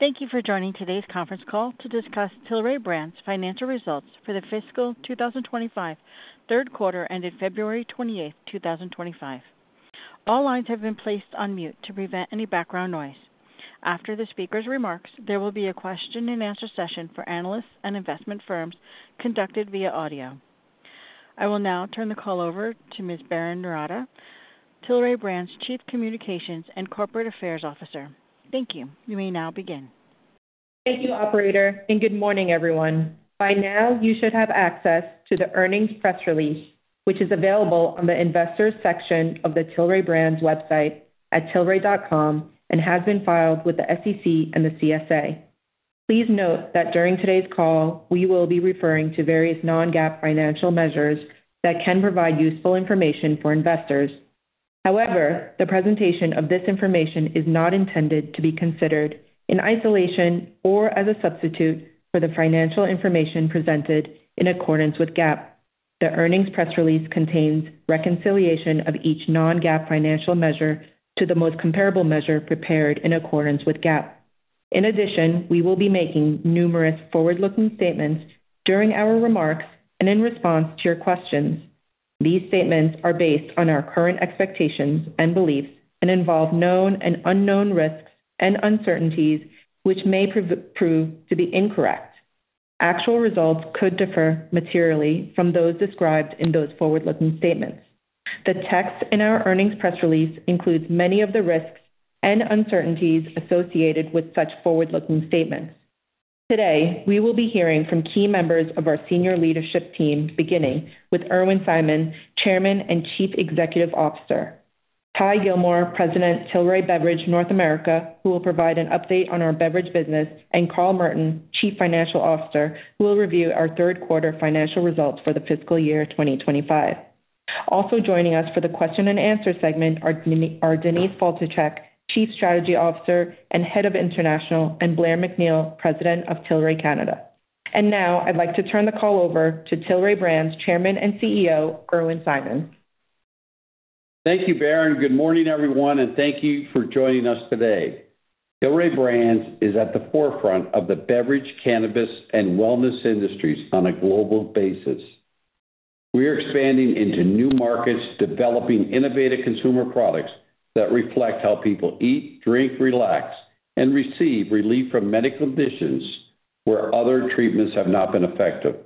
Thank you for joining today's conference call to discuss Tilray Brands' financial results for the Fiscal 2025 3rd Quarter end of February 28, 2025. All lines have been placed on mute to prevent any background noise. After the speaker's remarks, there will be a question and answer session for analysts and investment firms conducted via audio. I will now turn the call over to Ms. Berrin Noorata, Tilray Brands' Chief Communications and Corporate Affairs Officer. Thank you. You may now begin. Thank you, Operator, and good morning, everyone. By now, you should have access to the earnings press release, which is available on the Investors section of the Tilray Brands website at tilray.com and has been filed with the SEC and the CSA. Please note that during today's call, we will be referring to various non-GAAP financial measures that can provide useful information for investors. However, the presentation of this information is not intended to be considered in isolation or as a substitute for the financial information presented in accordance with GAAP. The earnings press release contains reconciliation of each non-GAAP financial measure to the most comparable measure prepared in accordance with GAAP. In addition, we will be making numerous forward-looking statements during our remarks and in response to your questions. These statements are based on our current expectations and beliefs and involve known and unknown risks and uncertainties, which may prove to be incorrect. Actual results could differ materially from those described in those forward-looking statements. The text in our earnings press release includes many of the risks and uncertainties associated with such forward-looking statements. Today, we will be hearing from key members of our senior leadership team, beginning with Irwin Simon, Chairman and Chief Executive Officer, Ty Gilmore, President of Tilray Beverage North America, who will provide an update on our beverage business, and Carl Merton, Chief Financial Officer, who will review our third quarter financial results for the fiscal year 2025. Also joining us for the question-and-answer segment are Denise Faltischek, Chief Strategy Officer and Head of International, and Blair MacNeil, President of Tilray Canada. I would like to turn the call over to Tilray Brands' Chairman and CEO, Irwin Simon. Thank you, Berrin. Good morning, everyone, and thank you for joining us today. Tilray Brands is at the forefront of the beverage, cannabis, and wellness industries on a global basis. We are expanding into new markets, developing innovative consumer products that reflect how people eat, drink, relax, and receive relief from medical conditions where other treatments have not been effective.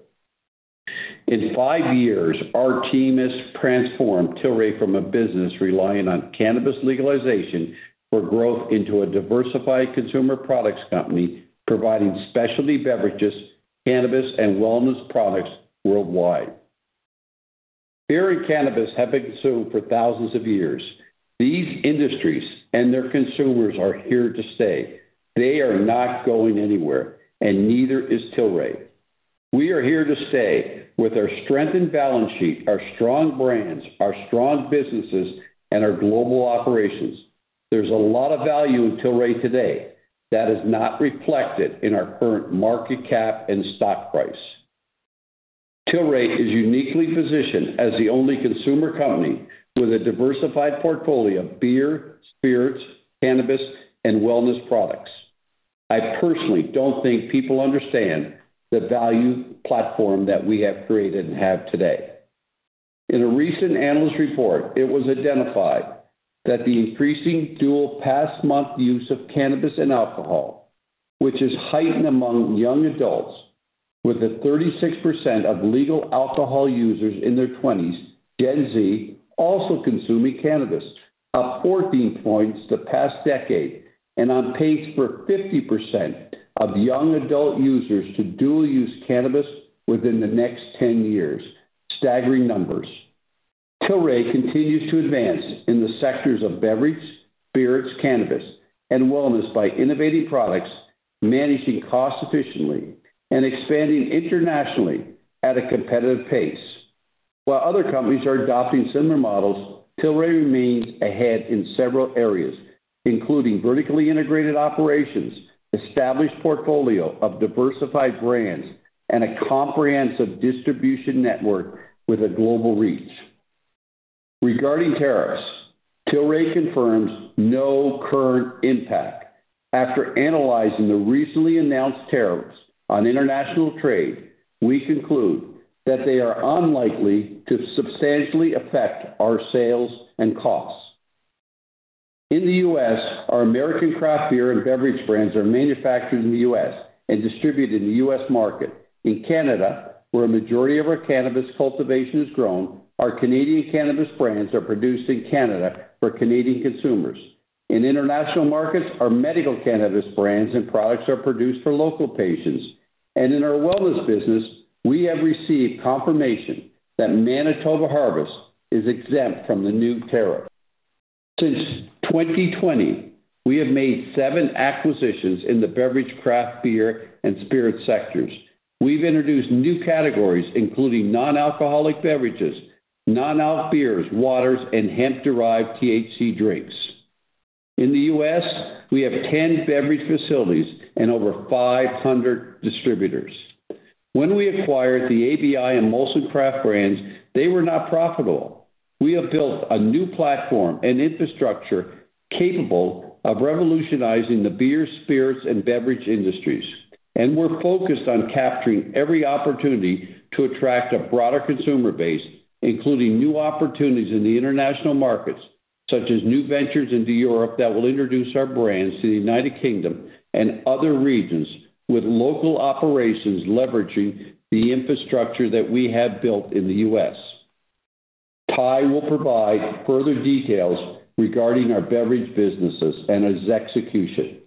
In five years, our team has transformed Tilray from a business relying on cannabis legalization for growth into a diversified consumer products company, providing specialty beverages, cannabis, and wellness products worldwide. Beer and cannabis have been consumed for thousands of years. These industries and their consumers are here to stay. They are not going anywhere, and neither is Tilray. We are here to stay with our strength and balance sheet, our strong brands, our strong businesses, and our global operations. There's a lot of value in Tilray today that is not reflected in our current market cap and stock price. Tilray is uniquely positioned as the only consumer company with a diversified portfolio of beer, spirits, cannabis, and wellness products. I personally don't think people understand the value platform that we have created and have today. In a recent analyst report, it was identified that the increasing dual past month use of cannabis and alcohol, which is heightened among young adults with 36% of legal alcohol users in their 20s, Gen Z, also consuming cannabis, up 14 percentage points the past decade and on pace for 50% of young adult users to dual use cannabis within the next 10 years, staggering numbers. Tilray continues to advance in the sectors of beverage, spirits, cannabis, and wellness by innovating products, managing costs efficiently, and expanding internationally at a competitive pace. While other companies are adopting similar models, Tilray remains ahead in several areas, including vertically integrated operations, established portfolio of diversified brands, and a comprehensive distribution network with a global reach. Regarding tariffs, Tilray confirms no current impact. After analyzing the recently announced tariffs on international trade, we conclude that they are unlikely to substantially affect our sales and costs. In the U.S., our American craft beer and beverage brands are manufactured in the U.S. and distributed in the U.S. market. In Canada, where a majority of our cannabis cultivation is grown, our Canadian cannabis brands are produced in Canada for Canadian consumers. In international markets, our medical cannabis brands and products are produced for local patients. In our wellness business, we have received confirmation that Manitoba Harvest is exempt from the new tariff. Since 2020, we have made seven acquisitions in the beverage, craft beer, and spirits sectors. We've introduced new categories, including non-alcoholic beverages, non-alc beers, waters, and hemp-derived THC drinks. In the U.S., we have 10 beverage facilities and over 500 distributors. When we acquired the ABI and Molson craft brands, they were not profitable. We have built a new platform and infrastructure capable of revolutionizing the beer, spirits, and beverage industries. We are focused on capturing every opportunity to attract a broader consumer base, including new opportunities in the international markets, such as new ventures into Europe that will introduce our brands to the United Kingdom and other regions, with local operations leveraging the infrastructure that we have built in the U.S. Ty will provide further details regarding our beverage businesses and its execution.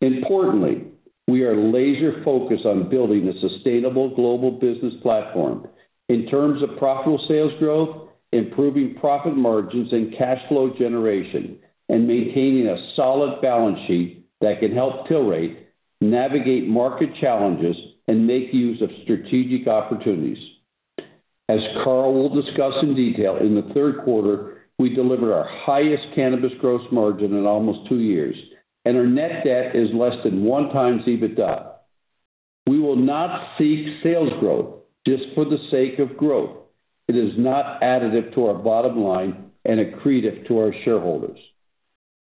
Importantly, we are laser-focused on building a sustainable global business platform in terms of profitable sales growth, improving profit margins and cash flow generation, and maintaining a solid balance sheet that can help Tilray navigate market challenges and make use of strategic opportunities. As Carl will discuss in detail, in the third quarter, we delivered our highest cannabis gross margin in almost two years, and our net debt is less than one times EBITDA. We will not seek sales growth just for the sake of growth. It is not additive to our bottom line and accretive to our shareholders.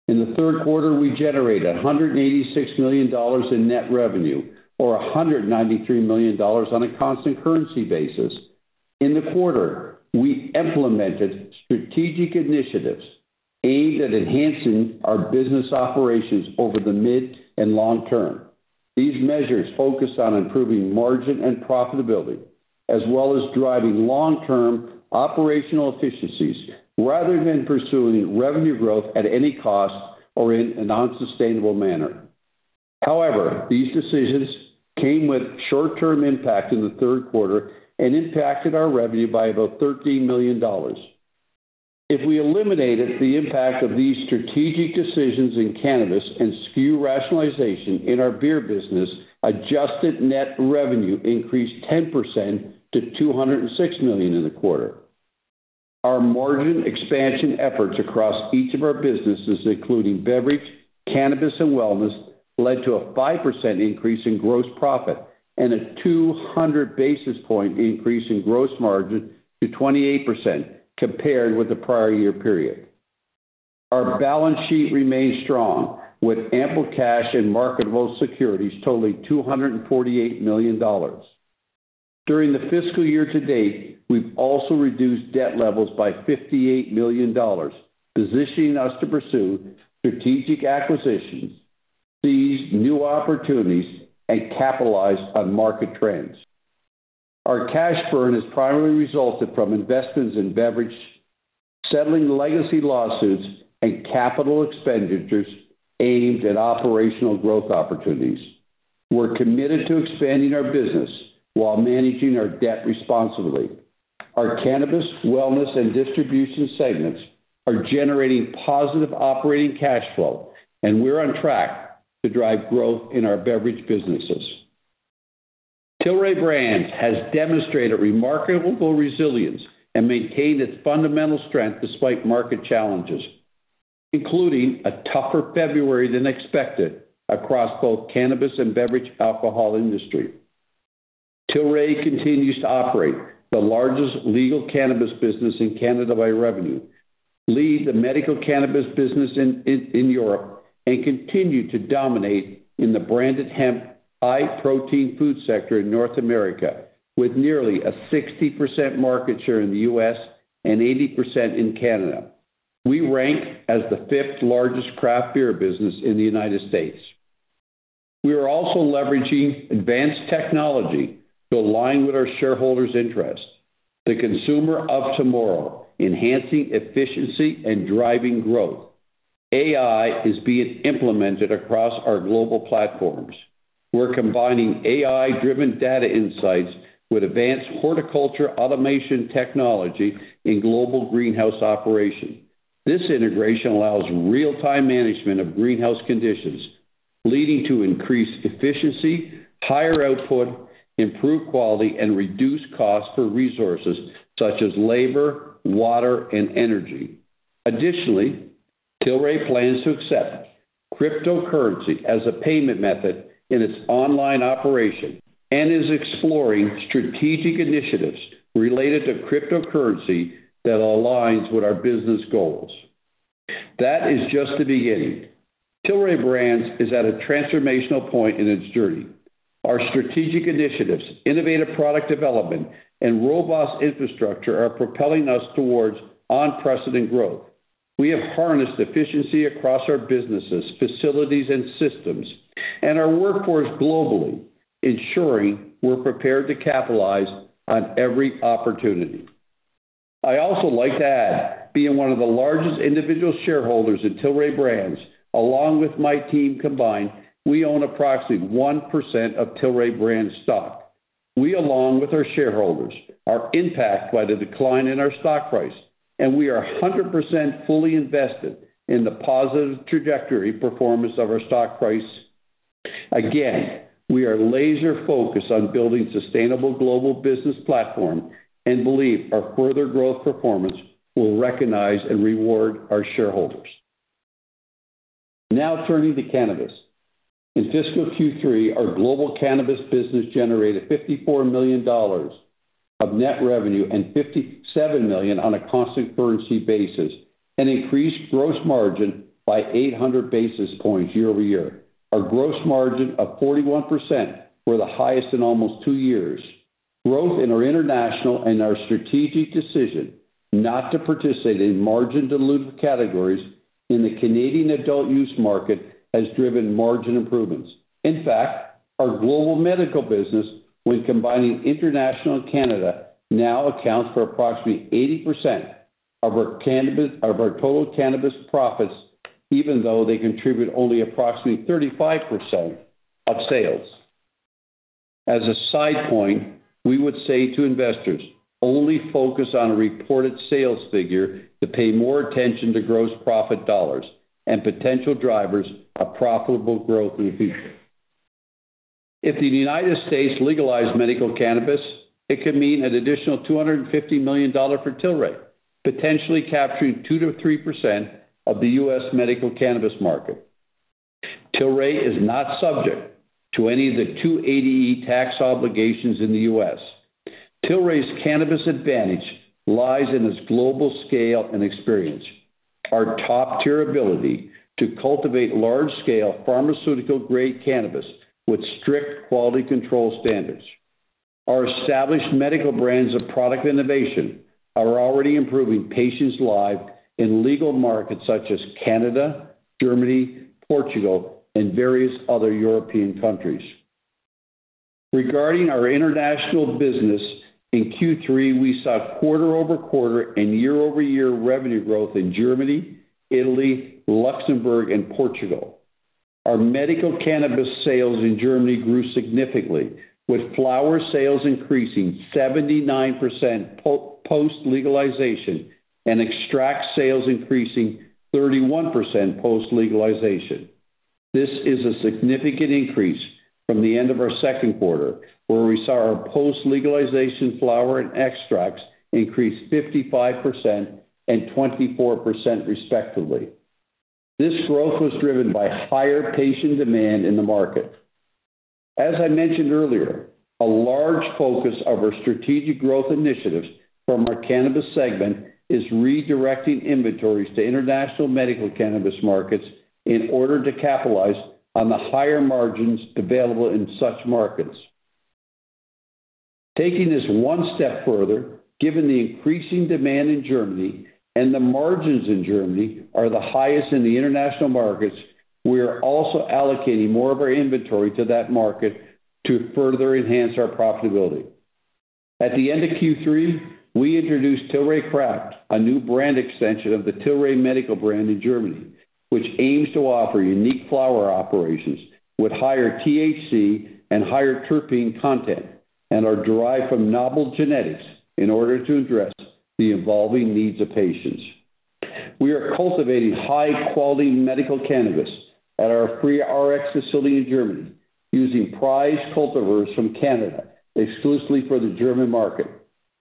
In the third quarter, we generated $186 million in net revenue, or $193 million on a constant currency basis. In the quarter, we implemented strategic initiatives aimed at enhancing our business operations over the mid and long term. These measures focus on improving margin and profitability, as well as driving long-term operational efficiencies rather than pursuing revenue growth at any cost or in a non-sustainable manner. However, these decisions came with short-term impact in the third quarter and impacted our revenue by about $13 million. If we eliminated the impact of these strategic decisions in cannabis and SKU rationalization in our beer business, adjusted net revenue increased 10% to $206 million in the quarter. Our margin expansion efforts across each of our businesses, including beverage, cannabis, and wellness, led to a 5% increase in gross profit and a 200 basis point increase in gross margin to 28% compared with the prior year period. Our balance sheet remains strong, with ample cash and marketable securities totaling $248 million. During the fiscal year to date, we've also reduced debt levels by $58 million, positioning us to pursue strategic acquisitions, seize new opportunities, and capitalize on market trends. Our cash burn has primarily resulted from investments in beverage, settling legacy lawsuits, and capital expenditures aimed at operational growth opportunities. We're committed to expanding our business while managing our debt responsibly. Our cannabis, wellness, and distribution segments are generating positive operating cash flow, and we're on track to drive growth in our beverage businesses. Tilray Brands has demonstrated remarkable resilience and maintained its fundamental strength despite market challenges, including a tougher February than expected across both cannabis and beverage alcohol industry. Tilray continues to operate the largest legal cannabis business in Canada by revenue, lead the medical cannabis business in Europe, and continue to dominate in the branded hemp high-protein food sector in North America, with nearly a 60% market share in the U.S.dd and 80% in Canada. We ranked as the 5th largest craft beer business in the United States. We are also leveraging advanced technology to align with our shareholders' interests, the consumer of tomorrow, enhancing efficiency and driving growth. AI is being implemented across our global platforms. We're combining AI-driven data insights with advanced horticulture automation technology in global greenhouse operation. This integration allows real-time management of greenhouse conditions, leading to increased efficiency, higher output, improved quality, and reduced costs for resources such as labor, water, and energy. Additionally, Tilray plans to accept cryptocurrency as a payment method in its online operation and is exploring strategic initiatives related to cryptocurrency that aligns with our business goals. That is just the beginning. Tilray Brands is at a transformational point in its journey. Our strategic initiatives, innovative product development, and robust infrastructure are propelling us towards unprecedented growth. We have harnessed efficiency across our businesses, facilities, and systems, and our workforce globally, ensuring we're prepared to capitalize on every opportunity. I also like to add, being one of the largest individual shareholders in Tilray Brands, along with my team combined, we own approximately 1% of Tilray Brands' stock. We, along with our shareholders, are impacted by the decline in our stock price, and we are 100% fully invested in the positive trajectory performance of our stock price. Again, we are laser-focused on building a sustainable global business platform and believe our further growth performance will recognize and reward our shareholders. Now, turning to cannabis. In Fiscal Q3, our global cannabis business generated $54 million of net revenue and $57 million on a constant currency basis and increased gross margin by 800 basis points year-over-year. Our gross margin of 41% was the highest in almost two years. Growth in our international and our strategic decision not to participate in margin-diluted categories in the Canadian adult use market has driven margin improvements. In fact, our global medical business, when combining international and Canada, now accounts for approximately 80% of our total cannabis profits, even though they contribute only approximately 35% of sales. As a side point, we would say to investors, only focus on a reported sales figure to pay more attention to gross profit dollars and potential drivers of profitable growth in the future. If the United States legalized medical cannabis, it could mean an additional $250 million for Tilray, potentially capturing 2% to 3% of the U.S. medical cannabis market. Tilray is not subject to any of the 280 tax obligations in the U.S. Tilray's cannabis advantage lies in its global scale and experience, our top-tier ability to cultivate large-scale pharmaceutical-grade cannabis with strict quality control standards. Our established medical brands of product innovation are already improving patients' lives in legal markets such as Canada, Germany, Portugal, and various other European countries. Regarding our international business, in Q3, we saw quarter-over-quarter and year-over-year revenue growth in Germany, Italy, Luxembourg, and Portugal. Our medical cannabis sales in Germany grew significantly, with flower sales increasing 79% post-legalization and extract sales increasing 31% post-legalization. This is a significant increase from the end of our second quarter, where we saw our post-legalization flower and extracts increase 55% and 24%, respectively. This growth was driven by higher patient demand in the market. As I mentioned earlier, a large focus of our strategic growth initiatives from our cannabis segment is redirecting inventories to international medical cannabis markets in order to capitalize on the higher margins available in such markets. Taking this one step further, given the increasing demand in Germany and the margins in Germany are the highest in the international markets, we are also allocating more of our inventory to that market to further enhance our profitability. At the end of Q3, we introduced Tilray Craft, a new brand extension of the Tilray Medical brand in Germany, which aims to offer unique flower operations with higher THC and higher terpene content and are derived from novel genetics in order to address the evolving needs of patients. We are cultivating high-quality medical cannabis at our FreeRx facility in Germany using prized cultivars from Canada exclusively for the German market.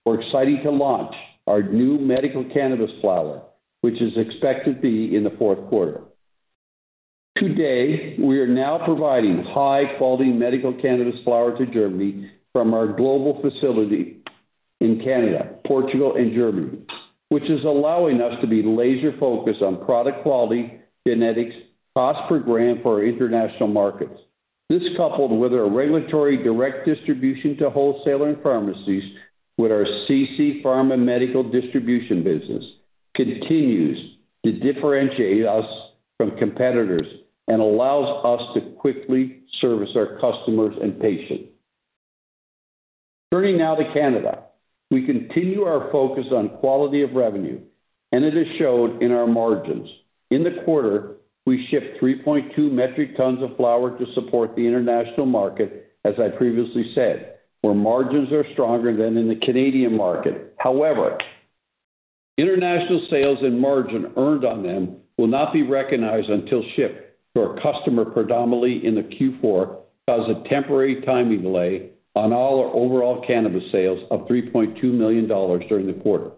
We're excited to launch our new medical cannabis flower, which is expected to be in the fourth quarter. Today, we are now providing high-quality medical cannabis flower to Germany from our global facility in Canada, Portugal, and Germany, which is allowing us to be laser-focused on product quality, genetics, cost per gram for our international markets. This, coupled with our regulatory direct distribution to wholesaler and pharmacies with our CC Pharma medical distribution business, continues to differentiate us from competitors and allows us to quickly service our customers and patients. Turning now to Canada, we continue our focus on quality of revenue, and it is shown in our margins. In the quarter, we shipped 3.2 metric tons of flower to support the international market, as I previously said, where margins are stronger than in the Canadian market. However, international sales and margin earned on them will not be recognized until shipped to our customer predominantly in the Q4, causing a temporary timing delay on all our overall cannabis sales of $3.2 million during the quarter.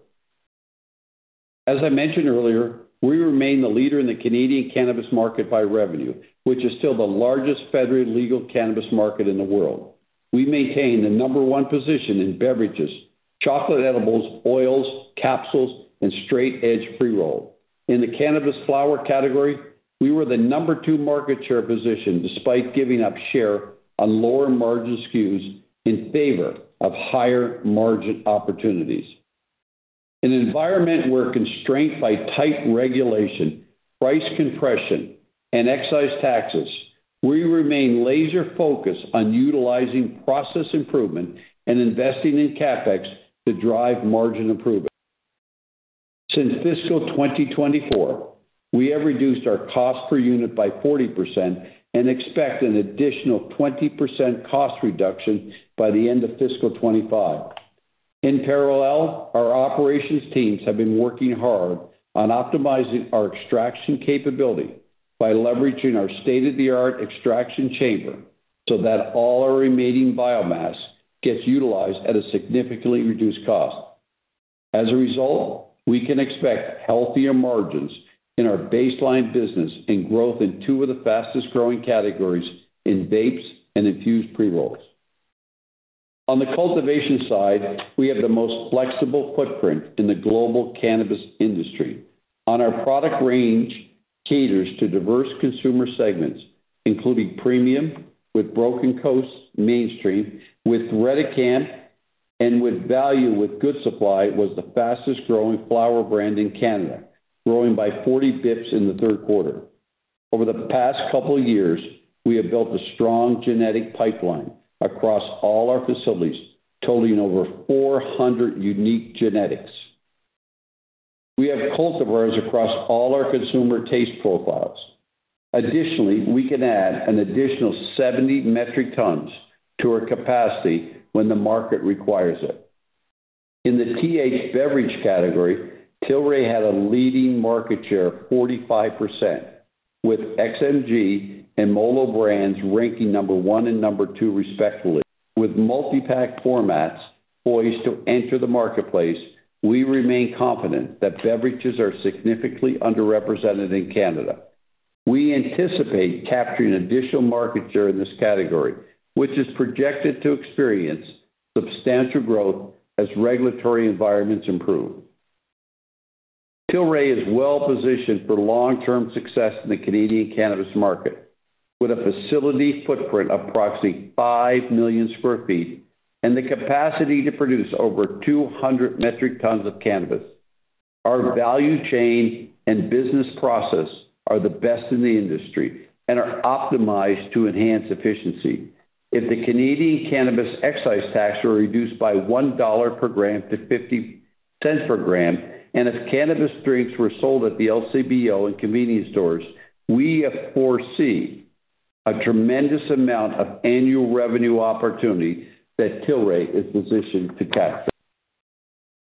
As I mentioned earlier, we remain the leader in the Canadian cannabis market by revenue, which is still the largest federally legal cannabis market in the world. We maintain the number one position in beverages, chocolate edibles, oils, capsules, and straight-edge pre-roll. In the cannabis flower category, we were the number two market share position despite giving up share on lower margin SKUs in favor of higher margin opportunities. In an environment where constraints by tight regulation, price compression, and excise taxes, we remain laser-focused on utilizing process improvement and investing in CapEx to drive margin improvement. Since Fiscal 2024, we have reduced our cost per unit by 40% and expect an additional 20% cost reduction by the end of Fiscal 2025. In parallel, our operations teams have been working hard on optimizing our extraction capability by leveraging our state-of-the-art extraction chamber so that all our remaining biomass gets utilized at a significantly reduced cost. As a result, we can expect healthier margins in our baseline business and growth in two of the fastest-growing categories in vapes and infused pre-rolls. On the cultivation side, we have the most flexible footprint in the global cannabis industry. Our product range caters to diverse consumer segments, including premium with Broken Coast, mainstream with Redecan, and value with Good Supply, which was the fastest-growing flower brand in Canada, growing by 40 basis points in the third quarter. Over the past couple of years, we have built a strong genetic pipeline across all our facilities, totaling over 400 unique genetics. We have cultivars across all our consumer taste profiles. Additionally, we can add an additional 70 metric tons to our capacity when the market requires it. In the THC beverage category, Tilray had a leading market share of 45%, with XMG and Molo Brands ranking number one and number two, respectively. With multi-pack formats poised to enter the marketplace, we remain confident that beverages are significantly underrepresented in Canada. We anticipate capturing additional market share in this category, which is projected to experience substantial growth as regulatory environments improve. Tilray is well-positioned for long-term success in the Canadian cannabis market, with a facility footprint of approximately 5 million sq ft and the capacity to produce over 200 metric tons of cannabis. Our value chain and business process are the best in the industry and are optimized to enhance efficiency. If the Canadian cannabis excise tax were reduced by $1 per gram to $0.50 per gram, and if cannabis drinks were sold at the LCBO and convenience stores, we foresee a tremendous amount of annual revenue opportunity that Tilray is positioned to capture.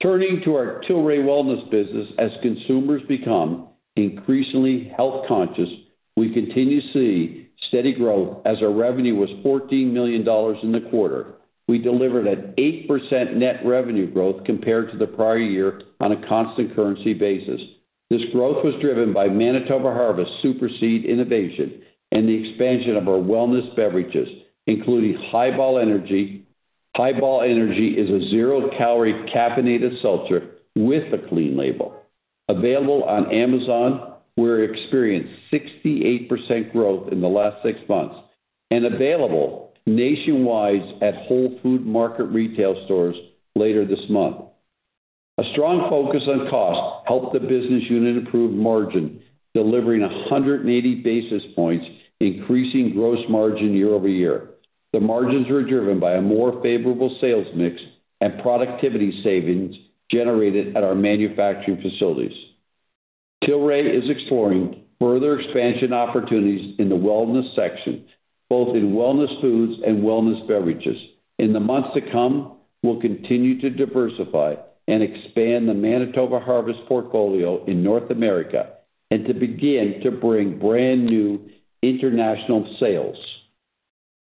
Turning to our Tilray Wellness business, as consumers become increasingly health-conscious, we continue to see steady growth as our revenue was $14 million in the quarter. We delivered an 8% net revenue growth compared to the prior year on a constant currency basis. This growth was driven by Manitoba Harvest Super Seed Innovation and the expansion of our wellness beverages, including Highball Energy. Highball Energy is a zero-calorie caffeinated seltzer with a clean label. Available on Amazon, we experienced 68% growth in the last six months and is available nationwide at Whole Foods market retail stores later this month. A strong focus on cost helped the business unit improve margin, delivering 180 basis points, increasing gross margin year over year. The margins were driven by a more favorable sales mix and productivity savings generated at our manufacturing facilities. Tilray is exploring further expansion opportunities in the wellness section, both in wellness foods and wellness beverages. In the months to come, we'll continue to diversify and expand the Manitoba Harvest portfolio in North America and begin to bring brand new international sales.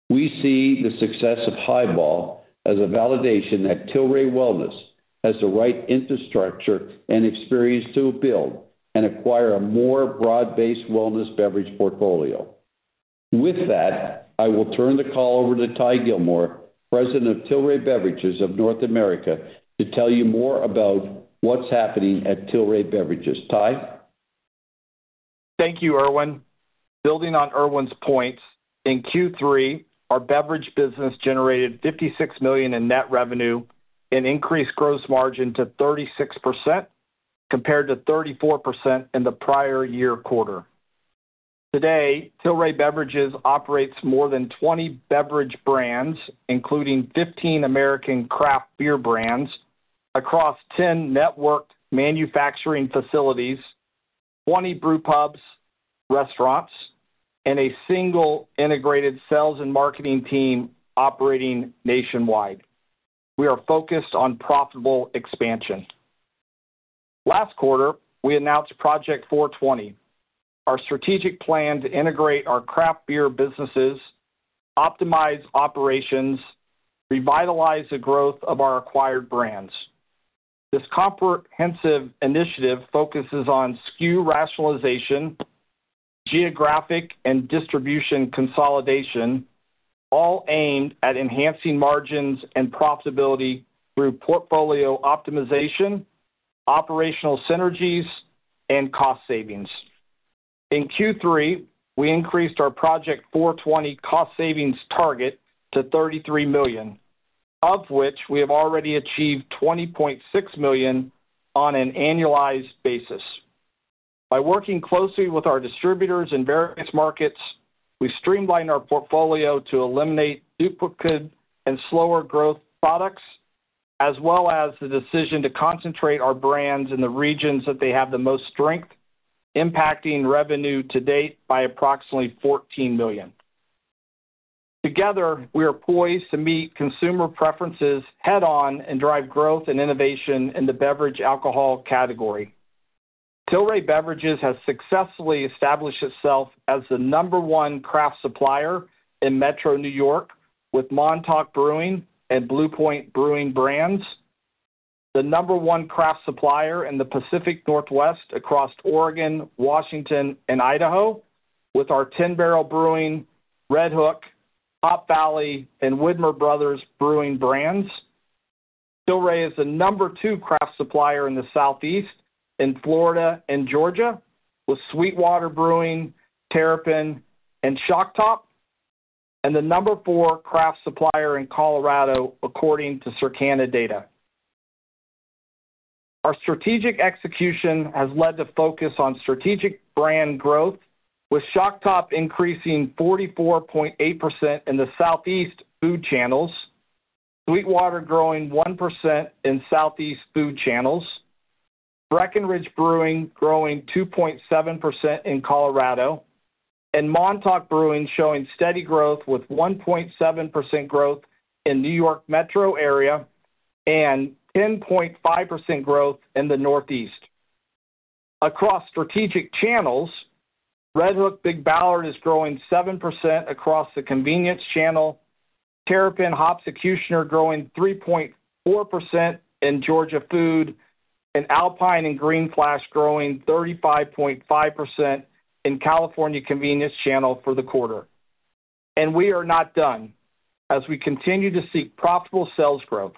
We see the success of Highball as a validation that Tilray Wellness has the right infrastructure and experience to build and acquire a more broad-based wellness beverage portfolio. With that, I will turn the call over to Ty Gilmore, President of Tilray Beverages of North America, to tell you more about what's happening at Tilray Beverages. Ty? Thank you, Irwin. Building on Irwin's points, in Q3, our beverage business generated $56 million in net revenue and increased gross margin to 36% compared to 34% in the prior year quarter. Today, Tilray Beverages operates more than 20 beverage brands, including 15 American craft beer brands, across 10 networked manufacturing facilities, 20 brewpubs, restaurants, and a single integrated sales and marketing team operating nationwide. We are focused on profitable expansion. Last quarter, we announced Project 420, our strategic plan to integrate our craft beer businesses, optimize operations, and revitalize the growth of our acquired brands. This comprehensive initiative focuses on SKU rationalization, geographic and distribution consolidation, all aimed at enhancing margins and profitability through portfolio optimization, operational synergies, and cost savings. In Q3, we increased our Project 420 cost savings target to $33 million, of which we have already achieved $20.6 million on an annualized basis. By working closely with our distributors in various markets, we streamlined our portfolio to eliminate duplicate and slower-growth products, as well as the decision to concentrate our brands in the regions that they have the most strength, impacting revenue to date by approximately $14 million. Together, we are poised to meet consumer preferences head-on and drive growth and innovation in the beverage alcohol category. Tilray Beverages has successfully established itself as the number one craft supplier in Metro New York with Montauk Brewing and Blue Point Brewing brands, the number one craft supplier in the Pacific Northwest across Oregon, Washington, and Idaho with our Tin Barrel Brewing, Red Hook, Hop Valley, and Widmer Brothers Brewing brands. Tilray is the number two craft supplier in the Southeast in Florida and Georgia with Sweetwater Brewing, Terrapin, and Shock Top, and the number four craft supplier in Colorado, according to Circana data. Our strategic execution has led to focus on strategic brand growth, with Shock Top increasing 44.8% in the Southeast food channels, Sweetwater growing 1% in Southeast food channels, Breckenridge Brewing growing 2.7% in Colorado, and Montauk Brewing showing steady growth with 1.7% growth in the New York Metro area and 10.5% growth in the Northeast. Across strategic channels, Red Hook Big Ballard is growing 7% across the convenience channel, Terrapin Hops Executioner growing 3.4% in Georgia food, and Alpine and Green Flash growing 35.5% in California convenience channel for the quarter. We are not done, as we continue to seek profitable sales growth.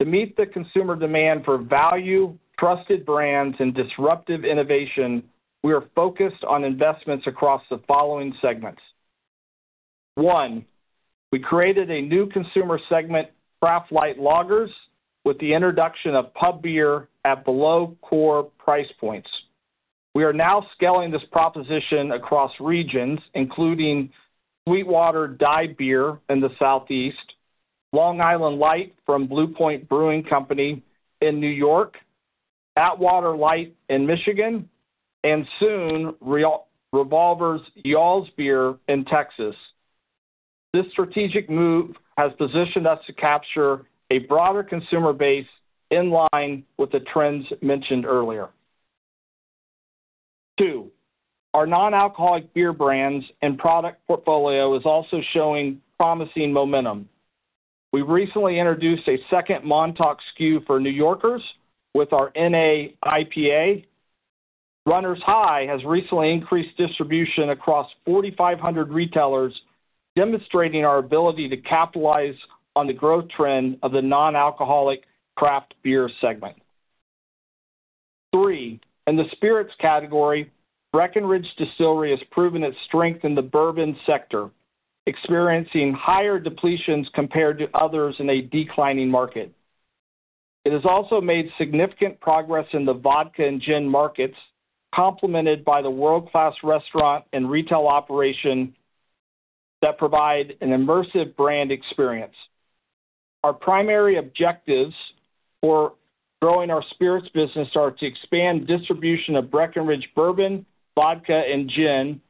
To meet the consumer demand for value, trusted brands, and disruptive innovation, we are focused on investments across the following segments. One, we created a new consumer segment, Craft Light Lagers, with the introduction of Pub Beer at below-core price points. We are now scaling this proposition across regions, including Sweetwater Dye Beer in the Southeast, Long Island Light from Blue Point Brewing in New York, Atwater Light in Michigan, and soon Revolvers Y'all's Beer in Texas. This strategic move has positioned us to capture a broader consumer base in line with the trends mentioned earlier. Two, our non-alcoholic beer brands and product portfolio is also showing promising momentum. We recently introduced a second Montauk SKU for New Yorkers with our N.A. IPA. Runners High has recently increased distribution across 4,500 retailers, demonstrating our ability to capitalize on the growth trend of the non-alcoholic craft beer segment. Three, in the spirits category, Breckenridge Distillery has proven its strength in the bourbon sector, experiencing higher depletions compared to others in a declining market. It has also made significant progress in the vodka and gin markets, complemented by the world-class restaurant and retail operation that provide an immersive brand experience. Our primary objectives for growing our spirits business are to expand distribution of Breckenridge bourbon, vodka, and gin,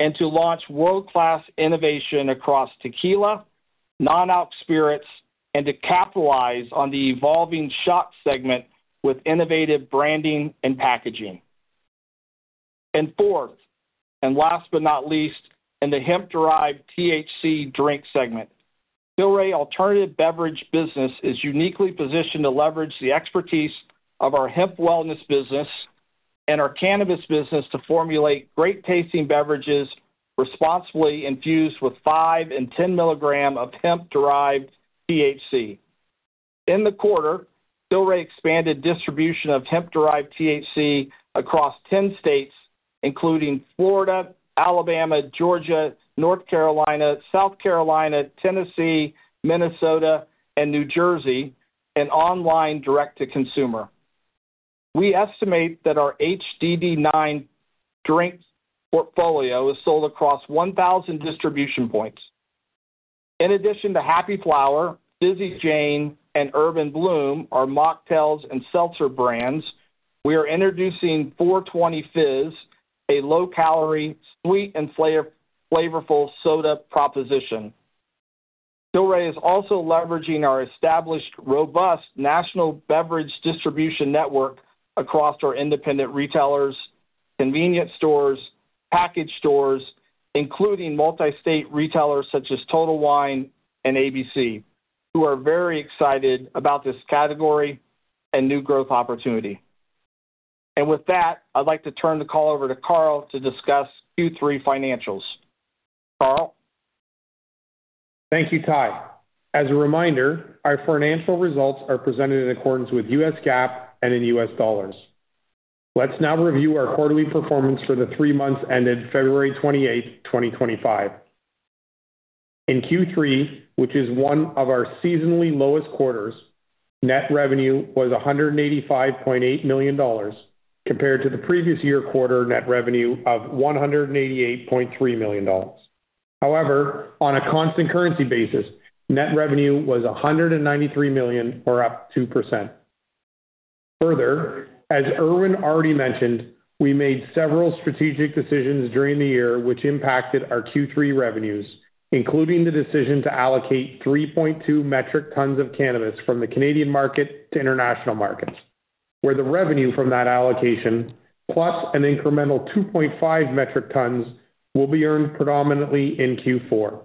and to launch world-class innovation across tequila, non-alc spirits, and to capitalize on the evolving shot segment with innovative branding and packaging. Fourth, and last but not least, in the hemp-derived THC drink segment, Tilray Alternative Beverage business is uniquely positioned to leverage the expertise of our hemp wellness business and our cannabis business to formulate great-tasting beverages responsibly infused with 5 and 10 mg of hemp-derived THC. In the quarter, Tilray expanded distribution of hemp-derived THC across 10 states, including Florida, Alabama, Georgia, North Carolina, South Carolina, Tennessee, Minnesota, and New Jersey, and online direct-to-consumer. We estimate that our HDD9 drink portfolio is sold across 1,000 distribution points. In addition to Happy Flower, Busy Jane, and Urban Bloom, our mocktails and seltzer brands, we are introducing 420 Fizz, a low-calorie, sweet, and flavorful soda proposition. Tilray is also leveraging our established, robust national beverage distribution network across our independent retailers, convenience stores, package stores, including multi-state retailers such as Total Wine and ABC, who are very excited about this category and new growth opportunity. With that, I'd like to turn the call over to Carl to discuss Q3 Financials. Carl? Thank you, Ty. As a reminder, our financial results are presented in accordance with U.S. GAAP and in U.S. dollars. Let's now review our quarterly performance for the three months ended February 28, 2025. In Q3, which is one of our seasonally lowest quarters, net revenue was $185.8 million compared to the previous year quarter net revenue of $188.3 million. However, on a constant currency basis, net revenue was $193 million, or up 2%. Further, as Irwin already mentioned, we made several strategic decisions during the year which impacted our Q3 revenues, including the decision to allocate 3.2 metric tons of cannabis from the Canadian market to international markets, where the revenue from that allocation, plus an incremental 2.5 metric tons, will be earned predominantly in Q4.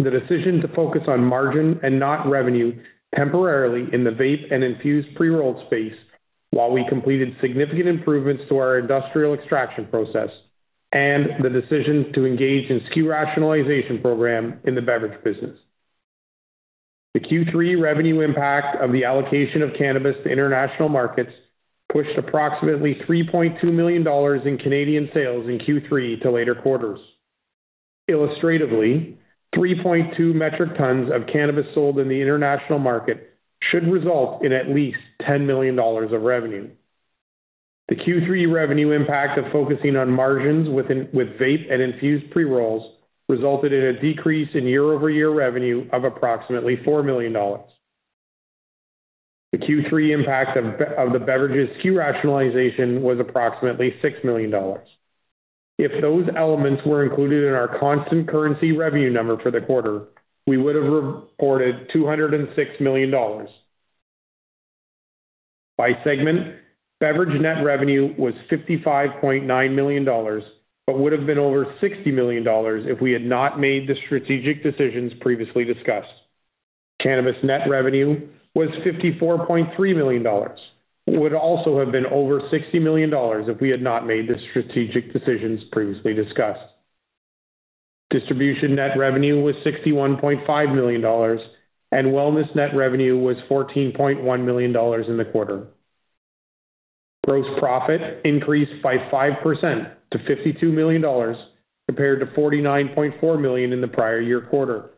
The decision to focus on margin and not revenue temporarily in the vape and infused pre-roll space while we completed significant improvements to our industrial extraction process, and the decision to engage in SKU rationalization program in the beverage business. The Q3 revenue impact of the allocation of cannabis to international markets pushed approximately $3.2 million in Canadian sales in Q3 to later quarters. Illustratively, 3.2 metric tons of cannabis sold in the international market should result in at least $10 million of revenue. The Q3 revenue impact of focusing on margins with vape and infused pre-rolls resulted in a decrease in year-over-year revenue of approximately $4 million. The Q3 impact of the beverage SKU rationalization was approximately $6 million. If those elements were included in our constant currency revenue number for the quarter, we would have reported $206 million. By segment, beverage net revenue was $55.9 million, but would have been over $60 million if we had not made the strategic decisions previously discussed. Cannabis net revenue was $54.3 million, which would also have been over $60 million if we had not made the strategic decisions previously discussed. Distribution net revenue was $61.5 million, and wellness net revenue was $14.1 million in the quarter. Gross profit increased by 5% to $52 million compared to $49.4 million in the prior year quarter.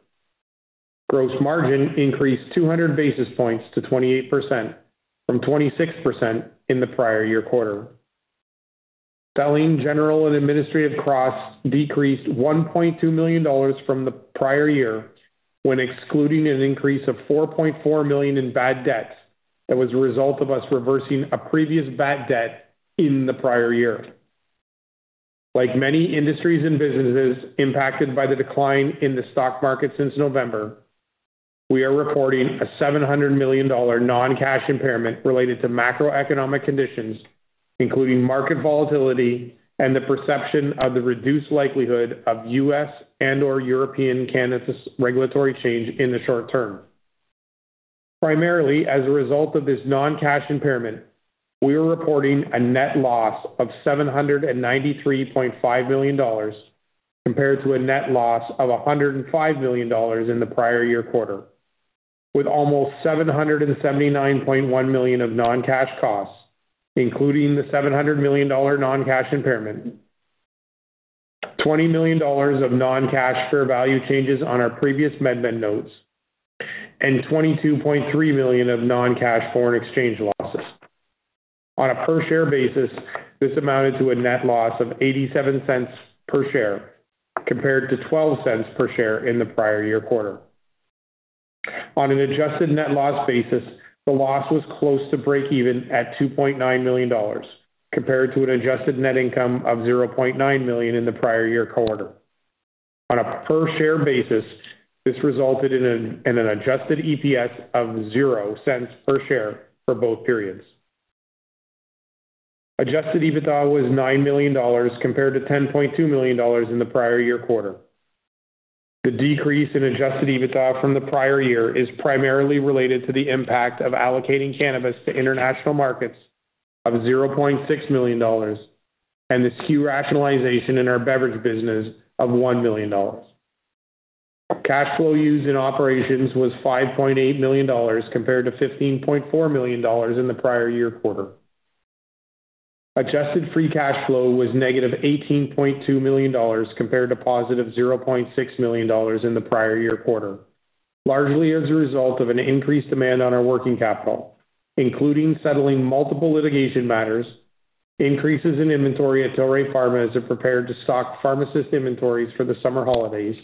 Gross margin increased 200 basis points to 28% from 26% in the prior year quarter. Selling general and administrative costs decreased $1.2 million from the prior year when excluding an increase of $4.4 million in bad debt that was a result of us reversing a previous bad debt in the prior year. Like many industries and businesses impacted by the decline in the stock market since November, we are reporting a $700 million non-cash impairment related to macroeconomic conditions, including market volatility and the perception of the reduced likelihood of U.S. and/or European cannabis regulatory change in the short term. Primarily as a result of this non-cash impairment, we are reporting a net loss of $793.5 million compared to a net loss of $105 million in the prior year quarter, with almost $779.1 million of non-cash costs, including the $700 million non-cash impairment, $20 million of non-cash fair value changes on our previous MedBed notes, and $22.3 million of non-cash foreign exchange losses. On a per-share basis, this amounted to a net loss of $0.87 per share compared to $0.12 per share in the prior year quarter. On an adjusted net loss basis, the loss was close to break-even at $2.9 million compared to an adjusted net income of $0.9 million in the prior year quarter. On a per-share basis, this resulted in an adjusted EPS of $0.00 per share for both periods. Adjusted EBITDA was $9 million compared to $10.2 million in the prior year quarter. The decrease in adjusted EBITDA from the prior year is primarily related to the impact of allocating cannabis to international markets of $0.6 million and the SKU rationalization in our beverage business of $1 million. Cash flow used in operations was $5.8 million compared to $15.4 million in the prior year quarter. Adjusted free cash flow was negative $18.2 million compared to positive $0.6 million in the prior year quarter, largely as a result of an increased demand on our working capital, including settling multiple litigation matters, increases in inventory at Tilray Pharma as it prepared to stock pharmacist inventories for the summer holidays,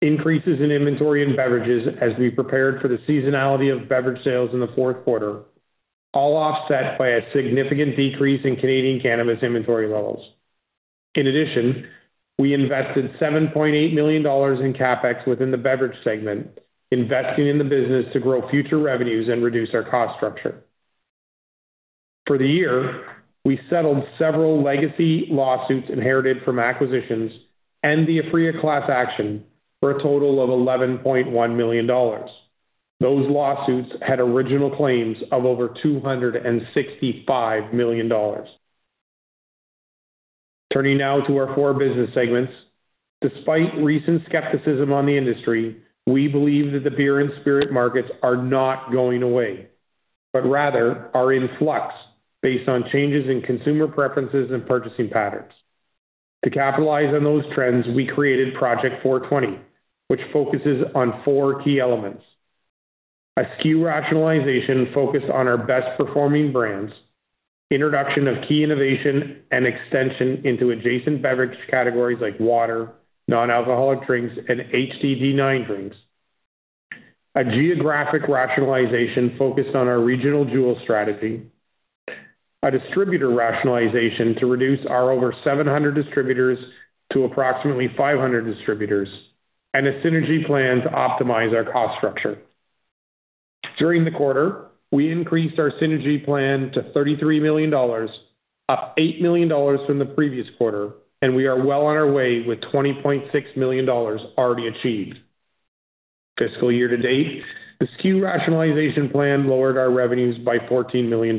increases in inventory in beverages as we prepared for the seasonality of beverage sales in the fourth quarter, all offset by a significant decrease in Canadian cannabis inventory levels. In addition, we invested $7.8 million in CapEx within the beverage segment, investing in the business to grow future revenues and reduce our cost structure. For the year, we settled several legacy lawsuits inherited from acquisitions and the Aphria Class Action for a total of $11.1 million. Those lawsuits had original claims of over $265 million. Turning now to our four business segments, despite recent skepticism on the industry, we believe that the beer and spirit markets are not going away, but rather are in flux based on changes in consumer preferences and purchasing patterns. To capitalize on those trends, we created Project 420, which focuses on four key elements: a SKU rationalization focused on our best-performing brands, introduction of key innovation, and extension into adjacent beverage categories like water, non-alcoholic drinks, and HDD9 drinks, a geographic rationalization focused on our regional jewel strategy, a distributor rationalization to reduce our over 700 distributors to approximately 500 distributors, and a synergy plan to optimize our cost structure. During the quarter, we increased our synergy plan to $33 million, up $8 million from the previous quarter, and we are well on our way with $20.6 million already achieved. Fiscal Year to date, the SKU rationalization plan lowered our revenues by $14 million.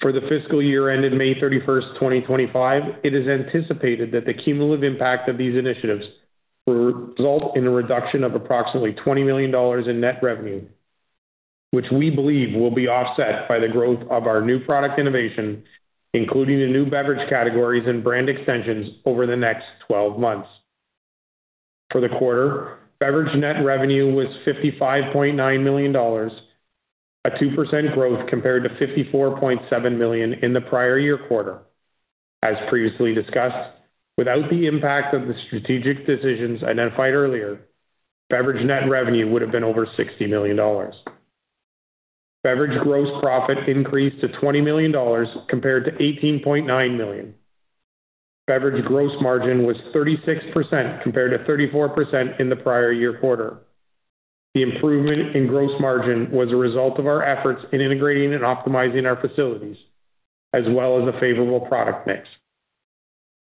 For the fiscal year ended May 31st, 2025, it is anticipated that the cumulative impact of these initiatives will result in a reduction of approximately $20 million in net revenue, which we believe will be offset by the growth of our new product innovation, including the new beverage categories and brand extensions over the next 12 months. For the quarter, beverage net revenue was $55.9 million, a 2% growth compared to $54.7 million in the prior year quarter. As previously discussed, without the impact of the strategic decisions identified earlier, beverage net revenue would have been over $60 million. Beverage gross profit increased to $20 million compared to $18.9 million. Beverage gross margin was 36% compared to 34% in the prior year quarter. The improvement in gross margin was a result of our efforts in integrating and optimizing our facilities, as well as a favorable product mix.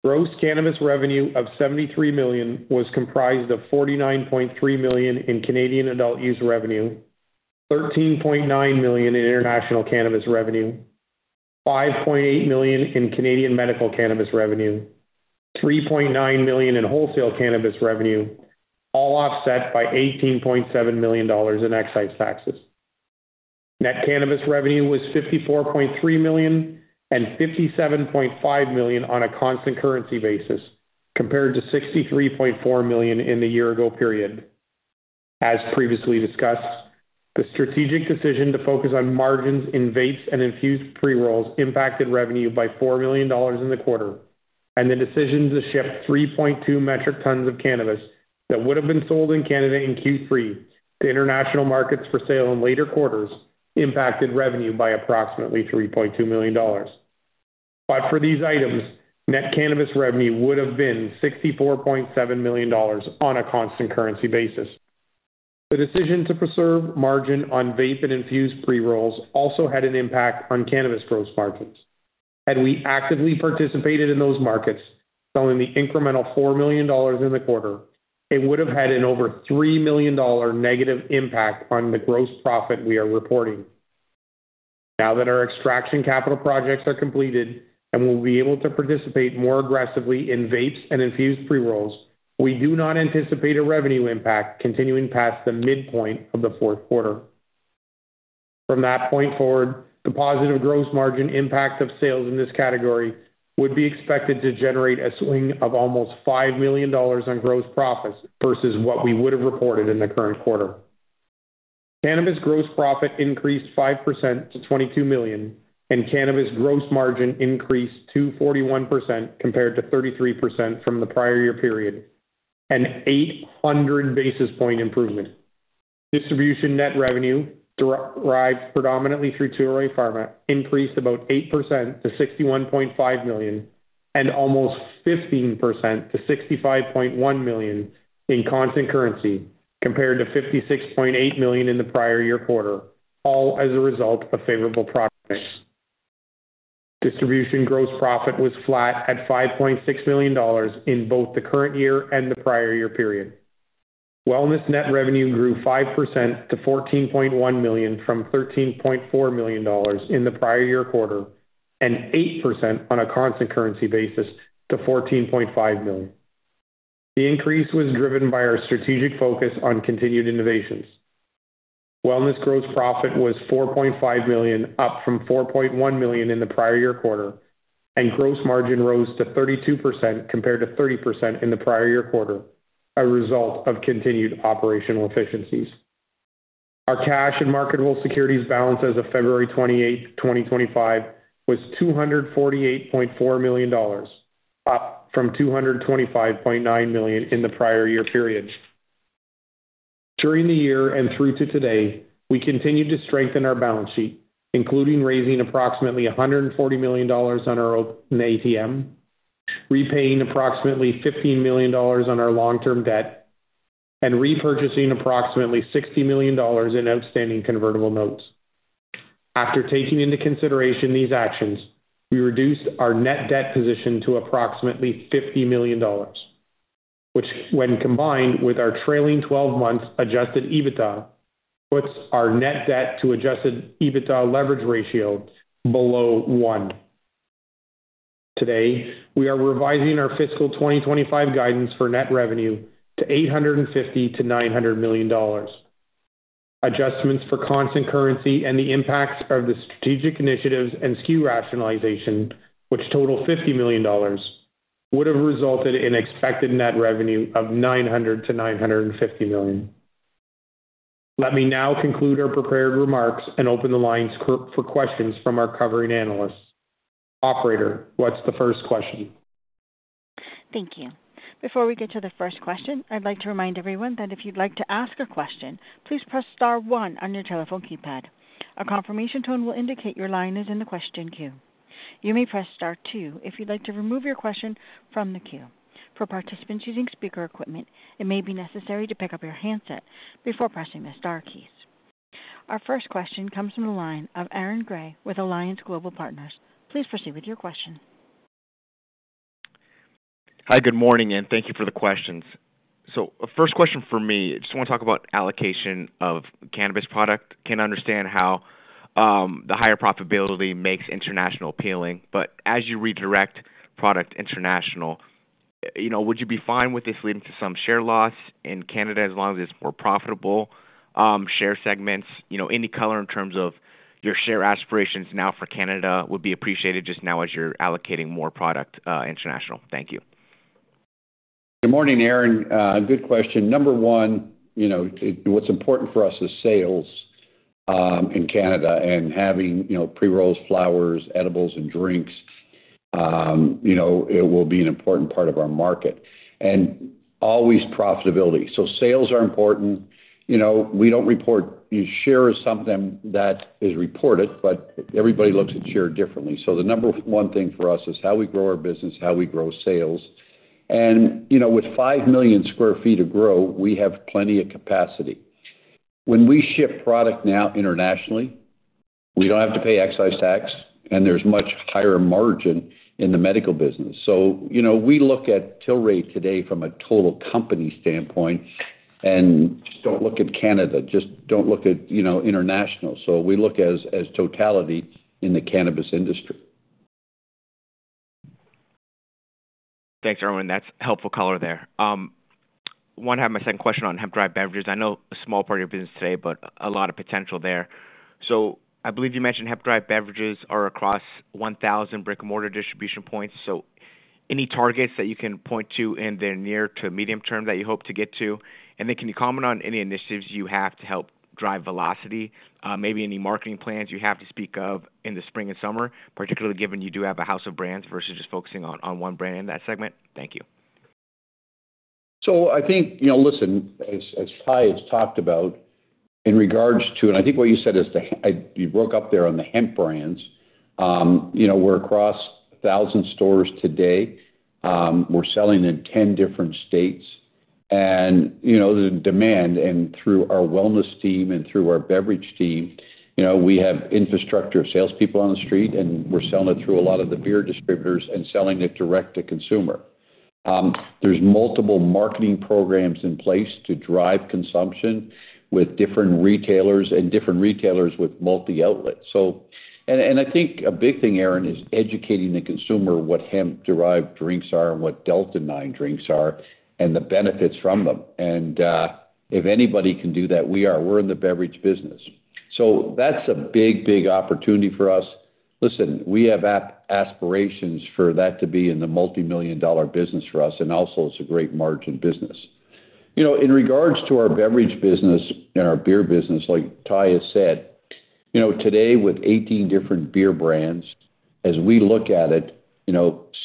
Gross cannabis revenue of $73 million was comprised of $49.3 million in Canadian adult use revenue, $13.9 million in international cannabis revenue, $5.8 million in Canadian medical cannabis revenue, $3.9 million in wholesale cannabis revenue, all offset by $18.7 million in excise taxes. Net cannabis revenue was $54.3 million and $57.5 million on a constant currency basis compared to $63.4 million in the year-ago period. As previously discussed, the strategic decision to focus on margins in vapes and infused pre-rolls impacted revenue by $4 million in the quarter, and the decision to ship 3.2 metric tons of cannabis that would have been sold in Canada in Q3 to international markets for sale in later quarters impacted revenue by approximately $3.2 million. For these items, net cannabis revenue would have been $64.7 million on a constant currency basis. The decision to preserve margin on vape and infused pre-rolls also had an impact on cannabis gross margins. Had we actively participated in those markets, selling the incremental $4 million in the quarter, it would have had an over $3 million negative impact on the gross profit we are reporting. Now that our extraction capital projects are completed and we'll be able to participate more aggressively in vapes and infused pre-rolls, we do not anticipate a revenue impact continuing past the midpoint from the fourth quarter. From that point forward, the positive gross margin impact of sales in this category would be expected to generate a swing of almost $5 million on gross profits versus what we would have reported in the current quarter. Cannabis gross profit increased 5% to $22 million, and cannabis gross margin increased to 41% compared to 33% from the prior year period, an 800 basis point improvement. Distribution net revenue, derived predominantly through Tilray Pharma, increased about 8% to $61.5 million and almost 15% to $65.1 million in constant currency compared to $56.8 million in the prior year quarter, all as a result of favorable profits. Distribution gross profit was flat at $5.6 million in both the current year and the prior year period. Wellness net revenue grew 5% to $14.1 million from $13.4 million in the prior year quarter and 8% on a constant currency basis to $14.5 million. The increase was driven by our strategic focus on continued innovations. Wellness gross profit was $4.5 million, up from $4.1 million in the prior year quarter, and gross margin rose to 32% compared to 30% in the prior year quarter, a result of continued operational efficiencies. Our cash and marketable securities balance as of February 28, 2025, was $248.4 million, up from $225.9 million in the prior year period. During the year and through to today, we continued to strengthen our balance sheet, including raising approximately $140 million on our open ATM, repaying approximately $15 million on our long-term debt, and repurchasing approximately $60 million in outstanding convertible notes. After taking into consideration these actions, we reduced our net debt position to approximately $50 million, which, when combined with our trailing 12-month adjusted EBITDA, puts our net debt to adjusted EBITDA leverage ratio below 1. Today, we are revising our Fiscal 2025 guidance for net revenue to $850-$900 million. Adjustments for constant currency and the impacts of the strategic initiatives and SKU rationalization, which total $50 million, would have resulted in expected net revenue of $900 to $950 million. Let me now conclude our prepared remarks and open the lines for questions from our covering analysts. Operator, what's the first question? Thank you. Before we get to the first question, I'd like to remind everyone that if you'd like to ask a question, please press star one on your telephone keypad. A confirmation tone will indicate your line is in the question queue. You may press star two if you'd like to remove your question from the queue. For participants using speaker equipment, it may be necessary to pick up your handset before pressing the star keys. Our first question comes from the line of Aaron Gray with Alliance Global Partners. Please proceed with your question. Hi, good morning, and thank you for the questions. First question for me, I just want to talk about allocation of cannabis product. I can understand how the higher profitability makes international appealing, but as you redirect product international, would you be fine with this leading to some share loss in Canada as long as it's more profitable, share segments, any color in terms of your share aspirations now for Canada would be appreciated just now as you're allocating more product international. Thank you. Good morning, Aaron. Good question. Number one, what's important for us is sales in Canada and having pre-rolls, flowers, edibles, and drinks. It will be an important part of our market and always profitability. Sales are important. We do not report share of something that is reported, but everybody looks at share differently. The number one thing for us is how we grow our business, how we grow sales. With 5 million sq ft of grow, we have plenty of capacity. When we ship product now internationally, we do not have to pay excise tax, and there is much higher margin in the medical business. We look at Tilray today from a total company standpoint and do not look at Canada, do not just look at international. We look at totality in the cannabis industry. Thanks, Irwin. That is helpful color there. I want to have my second question on hemp-derived beverages. I know it is a small part of your business today, but a lot of potential there. I believe you mentioned hemp-derived beverages are across 1,000 brick-and-mortar distribution points. Are there any targets that you can point to in the near to medium term that you hope to get to? Can you comment on any initiatives you have to help drive velocity, maybe any marketing plans you have to speak of in the spring and summer, particularly given you do have a house of brands versus just focusing on one brand in that segment? Thank you. I think, listen, as Ty has talked about in regards to, and I think what you said is you broke up there on the hemp brands. We are across 1,000 stores today. We are selling in 10 different states. The demand, and through our wellness team and through our beverage team, we have infrastructure salespeople on the street, and we are selling it through a lot of the beer distributors and selling it direct to consumer. There are multiple marketing programs in place to drive consumption with different retailers and different retailers with multi-outlets. I think a big thing, Aaron, is educating the consumer what hemp-derived drinks are and what Delta-9 drinks are and the benefits from them. If anybody can do that, we are. We're in the beverage business. That's a big, big opportunity for us. Listen, we have aspirations for that to be in the multi-million dollar business for us, and also it's a great margin business. In regards to our beverage business and our beer business, like Ty has said, today, with 18 different beer brands, as we look at it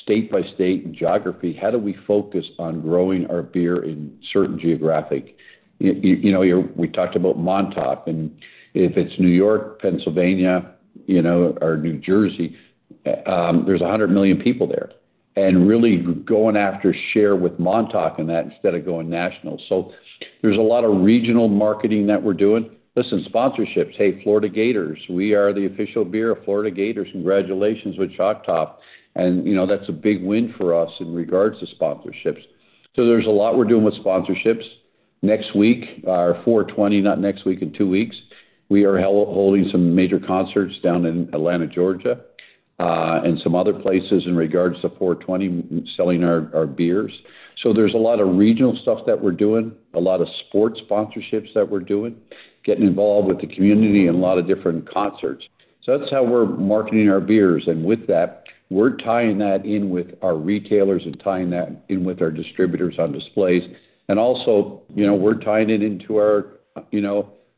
state by state and geography, how do we focus on growing our beer in certain geographic? We talked about Montauk, and if it's New York, Pennsylvania, or New Jersey, there's 100 million people there. Really going after share with Montauk in that instead of going national. There's a lot of regional marketing that we're doing. Listen, sponsorships. Hey, Florida Gators, we are the official beer of Florida Gators. Congratulations with Choctaw. That's a big win for us in regards to sponsorships. There is a lot we're doing with sponsorships. Next week, our 420, not next week, in two weeks, we are holding some major concerts down in Atlanta, Georgia, and some other places in regards to 420 and selling our beers. There is a lot of regional stuff that we're doing, a lot of sports sponsorships that we're doing, getting involved with the community and a lot of different concerts. That's how we're marketing our beers. With that, we're tying that in with our retailers and tying that in with our distributors on displays. Also, we're tying it into our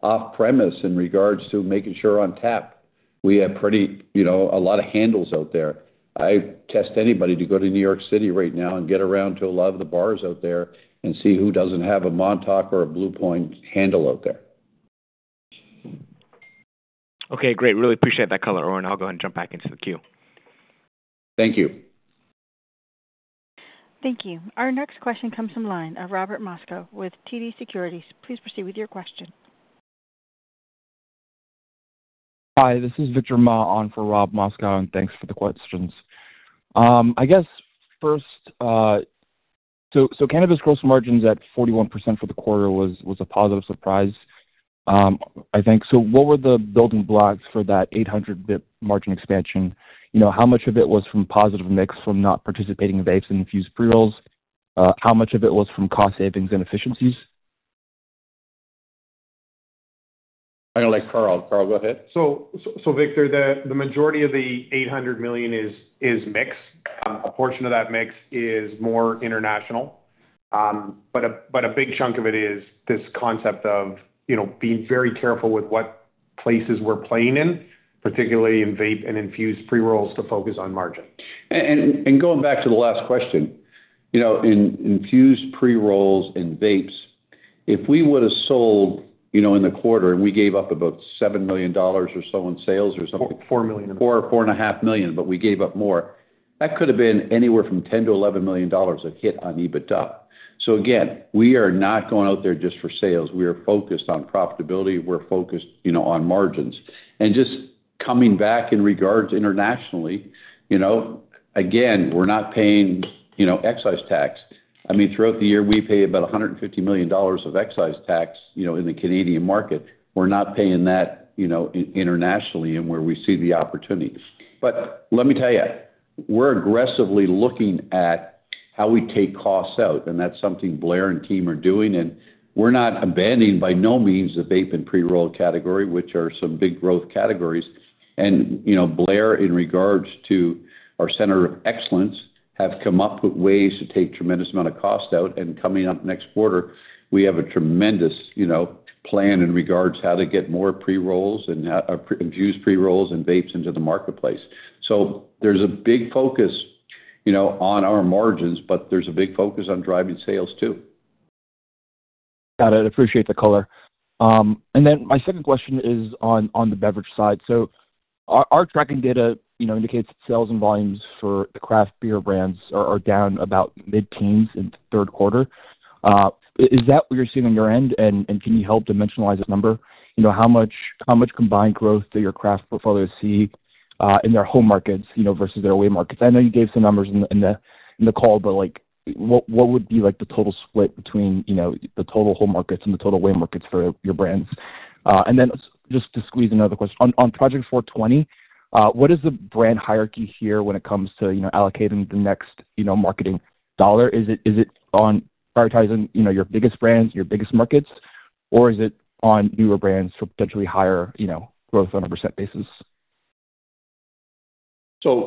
off-premise in regards to making sure on tap. We have a lot of handles out there. I'd test anybody to go to New York City right now and get around to a lot of the bars out there and see who doesn't have a Montauk or a Blue Point handle out there. Okay, great. Really appreciate that color, Irwin. I'll go ahead and jump back into the queue. Thank you. Thank you. Our next question comes from Lynn, a Robert Moscow with TD Securities. Please proceed with your question. Hi, this is Victor Ma, on for Rob Moscow, and thanks for the questions. I guess first, cannabis gross margins at 41% for the quarter was a positive surprise, I think. What were the building blocks for that 800 basis point margin expansion? How much of it was from positive mix from not participating in vapes and infused pre-rolls? How much of it was from cost savings and efficiencies? I'm going to let Carl go ahead. Victor, the majority of the $800 million is mix. A portion of that mix is more international, but a big chunk of it is this concept of being very careful with what places we're playing in, particularly in vape and infused pre-rolls to focus on margin. Going back to the last question, in infused pre-rolls and vapes, if we would have sold in the quarter and we gave up about $7 million or so in sales or something. $4 million. $4.5 million, but we gave up more, that could have been anywhere from $10 to $11 million that hit on EBITDA. Again, we are not going out there just for sales. We are focused on profitability. We're focused on margins. Just coming back in regards internationally, again, we're not paying excise tax. I mean, throughout the year, we pay about $150 million of excise tax in the Canadian market. We're not paying that internationally and where we see the opportunity. Let me tell you, we're aggressively looking at how we take costs out, and that's something Blair and team are doing. We're not abandoning by no means the vape and pre-roll category, which are some big growth categories. Blair, in regards to our center of excellence, have come up with ways to take a tremendous amount of cost out. Coming up next quarter, we have a tremendous plan in regards to how to get more pre-rolls and infused pre-rolls and vapes into the marketplace. There's a big focus on our margins, but there's a big focus on driving sales too. Got it. Appreciate the color. My second question is on the beverage side. Our tracking data indicates that sales and volumes for the craft beer brands are down about mid-teens in the third quarter. Is that what you're seeing on your end? Can you help dimensionalize that number? How much combined growth do your craft portfolios see in their home markets versus their away markets? I know you gave some numbers in the call, but what would be the total split between the total home markets and the total away markets for your brands? Just to squeeze another question. On Project 420, what is the brand hierarchy here when it comes to allocating the next marketing dollar? Is it on prioritizing your biggest brands, your biggest markets, or is it on newer brands for potentially higher growth on a percent basis?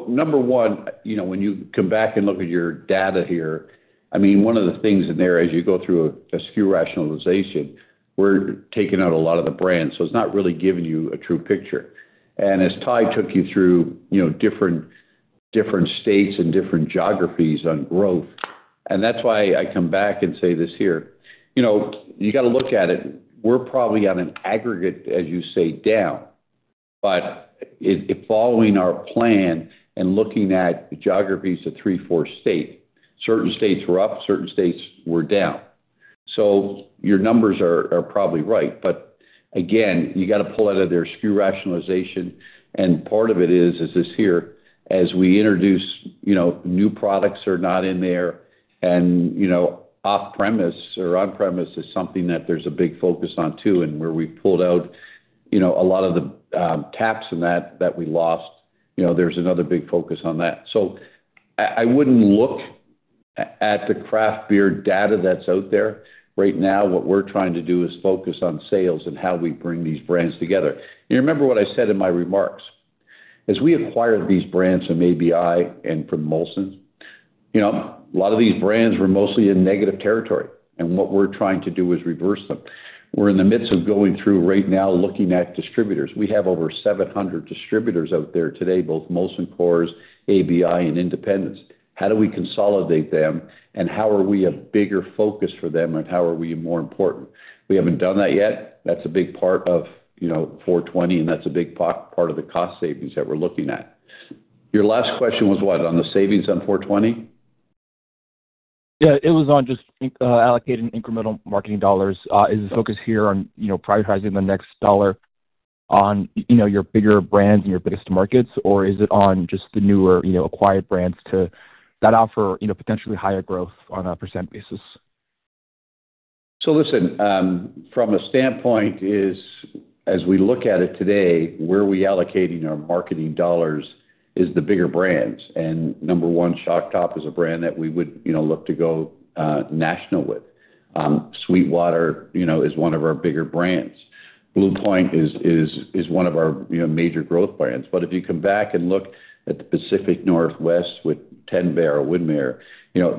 Number one, when you come back and look at your data here, I mean, one of the things in there, as you go through a SKU rationalization, we're taking out a lot of the brands. It is not really giving you a true picture. As Ty took you through different states and different geographies on growth, that is why I come back and say this here. You got to look at it. We are probably on an aggregate, as you say, down. Following our plan and looking at the geographies of three, four states, certain states were up, certain states were down. Your numbers are probably right. Again, you got to pull out of there SKU rationalization. Part of it is, as this here, as we introduce new products that are not in there, and off-premise or on-premise is something that there's a big focus on too, and where we pulled out a lot of the taps in that that we lost. There's another big focus on that. I would not look at the craft beer data that's out there. Right now, what we're trying to do is focus on sales and how we bring these brands together. Remember what I said in my remarks. As we acquired these brands from ABI and from Molson, a lot of these brands were mostly in negative territory. What we're trying to do is reverse them. We're in the midst of going through right now looking at distributors. We have over 700 distributors out there today, both Molson Coors, ABI, and Independence. How do we consolidate them, and how are we a bigger focus for them, and how are we more important? We haven't done that yet. That's a big part of 420, and that's a big part of the cost savings that we're looking at. Your last question was what? On the savings on 420? Yeah, it was on just allocating incremental marketing dollars. Is the focus here on prioritizing the next dollar on your bigger brands and your biggest markets, or is it on just the newer acquired brands that offer potentially higher growth on a percent basis? Listen, from a standpoint, as we look at it today, where we allocate our marketing dollars is the bigger brands. Number one, Shock Top is a brand that we would look to go national with. Sweetwater is one of our bigger brands. Blue Point is one of our major growth brands. If you come back and look at the Pacific Northwest with Tin Barrel or Widmer,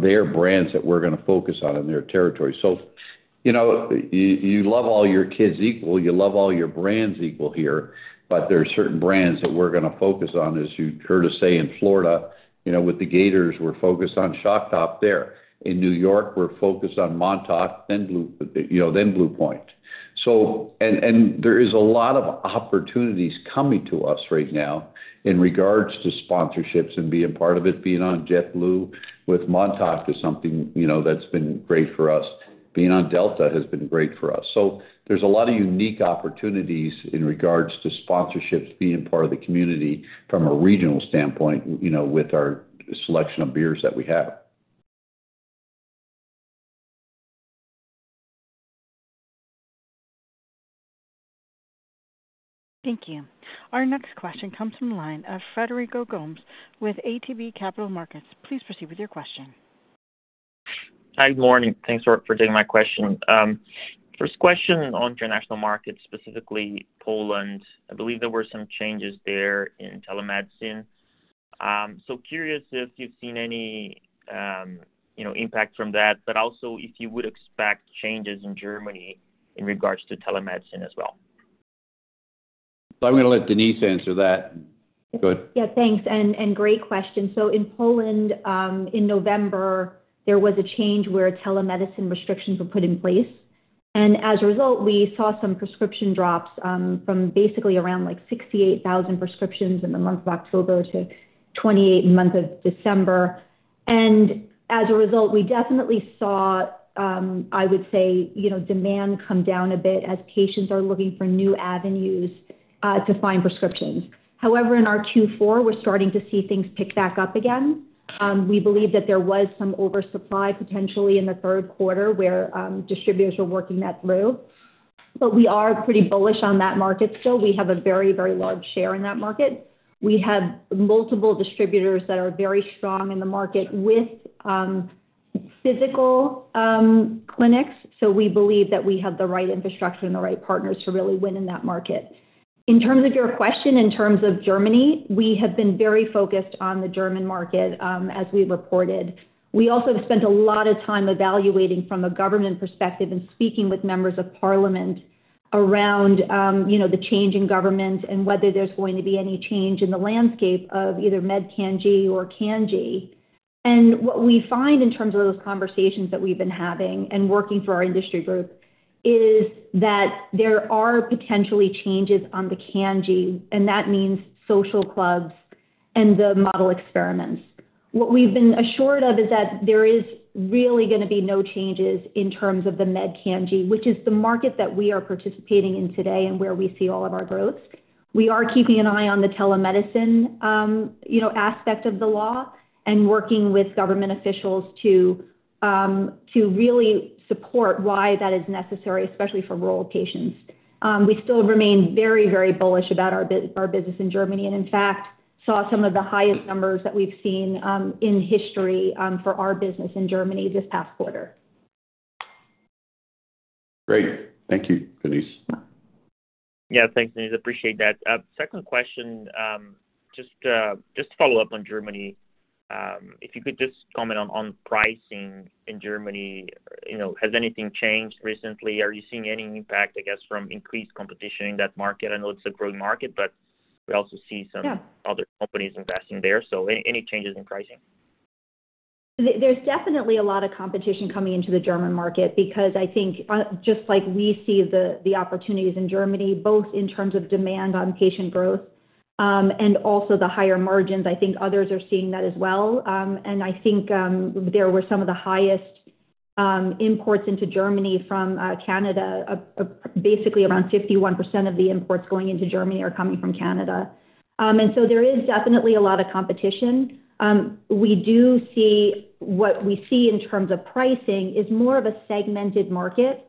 they are brands that we're going to focus on in their territory. You love all your kids equal. You love all your brands equal here, but there are certain brands that we're going to focus on. As you heard us say in Florida, with the Gators, we're focused on Shock Top there. In New York, we're focused on Montauk, then Blue Point. There is a lot of opportunities coming to us right now in regards to sponsorships and being part of it. Being on JetBlue with Montauk is something that's been great for us. Being on Delta has been great for us. There are a lot of unique opportunities in regards to sponsorships, being part of the community from a regional standpoint with our selection of beers that we have. Thank you. Our next question comes from Frederico Gomes with ATB Capital Markets. Please proceed with your question. Hi, good morning. Thanks for taking my question. First question on international markets, specifically Poland. I believe there were some changes there in telemedicine. Curious if you've seen any impact from that, but also if you would expect changes in Germany in regards to telemedicine as well. I'm going to let Denise answer that. Go ahead. Yeah, thanks. Great question. In Poland, in November, there was a change where telemedicine restrictions were put in place. As a result, we saw some prescription drops from basically around 68,000 prescriptions in the month of October to 28,000 in the month of December. As a result, we definitely saw, I would say, demand come down a bit as patients are looking for new avenues to find prescriptions. However, in our Q4, we're starting to see things pick back up again. We believe that there was some oversupply potentially in the third quarter where distributors were working that through. We are pretty bullish on that market still. We have a very, very large share in that market. We have multiple distributors that are very strong in the market with physical clinics. We believe that we have the right infrastructure and the right partners to really win in that market. In terms of your question, in terms of Germany, we have been very focused on the German market as we reported. We also have spent a lot of time evaluating from a government perspective and speaking with members of parliament around the change in government and whether there's going to be any change in the landscape of either MedCANG or CANG. What we find in terms of those conversations that we've been having and working for our industry group is that there are potentially changes on the CANG, and that means social clubs and the model experiments. What we've been assured of is that there is really going to be no changes in terms of the MedCANG, which is the market that we are participating in today and where we see all of our growth. We are keeping an eye on the telemedicine aspect of the law and working with government officials to really support why that is necessary, especially for rural patients. We still remain very, very bullish about our business in Germany and, in fact, saw some of the highest numbers that we've seen in history for our business in Germany this past quarter. Great. Thank you, Denise. Yeah, thanks, Denise. Appreciate that. Second question, just to follow up on Germany, if you could just comment on pricing in Germany, has anything changed recently? Are you seeing any impact, I guess, from increased competition in that market? I know it's a growing market, but we also see some other companies investing there. Any changes in pricing? There's definitely a lot of competition coming into the German market because I think just like we see the opportunities in Germany, both in terms of demand on patient growth and also the higher margins, I think others are seeing that as well. I think there were some of the highest imports into Germany from Canada, basically around 51% of the imports going into Germany are coming from Canada. There is definitely a lot of competition. We do see what we see in terms of pricing is more of a segmented market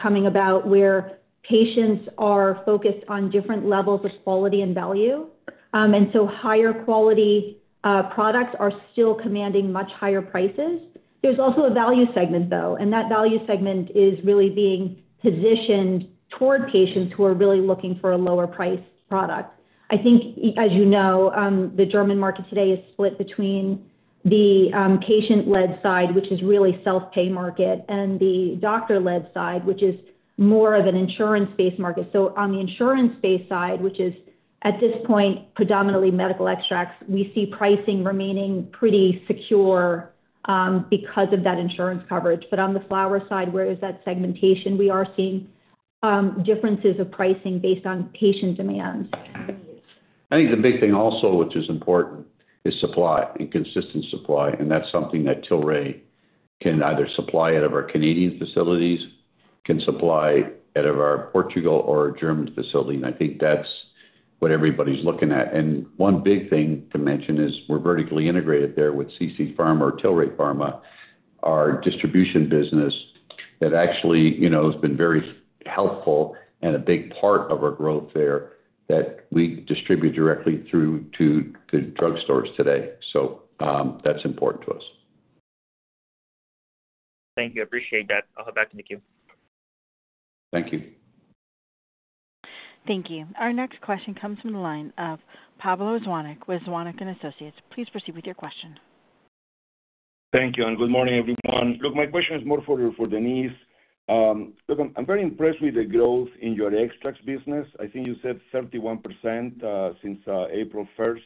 coming about where patients are focused on different levels of quality and value. Higher quality products are still commanding much higher prices. There is also a value segment, though, and that value segment is really being positioned toward patients who are really looking for a lower-priced product. I think, as you know, the German market today is split between the patient-led side, which is really self-pay market, and the doctor-led side, which is more of an insurance-based market. On the insurance-based side, which is at this point predominantly medical extracts, we see pricing remaining pretty secure because of that insurance coverage. On the flower side, where is that segmentation, we are seeing differences of pricing based on patient demand. I think the big thing also, which is important, is supply and consistent supply. That is something that Tilray can either supply out of our Canadian facilities, can supply out of our Portugal or German facility. I think that is what everybody is looking at. One big thing to mention is we are vertically integrated there with CC Pharma or Tilray Pharma, our distribution business that actually has been very helpful and a big part of our growth there, that we distribute directly through to the drug stores today. That is important to us. Thank you. Appreciate that. I will have back. Thank you. Thank you. Thank you. Our next question comes from the line of Pablo Zuanic with Zuanic & Associates. Please proceed with your question. Thank you. Good morning, everyone. Look, my question is more for Denise. Look, I am very impressed with the growth in your extracts business. I think you said 31% since April 1.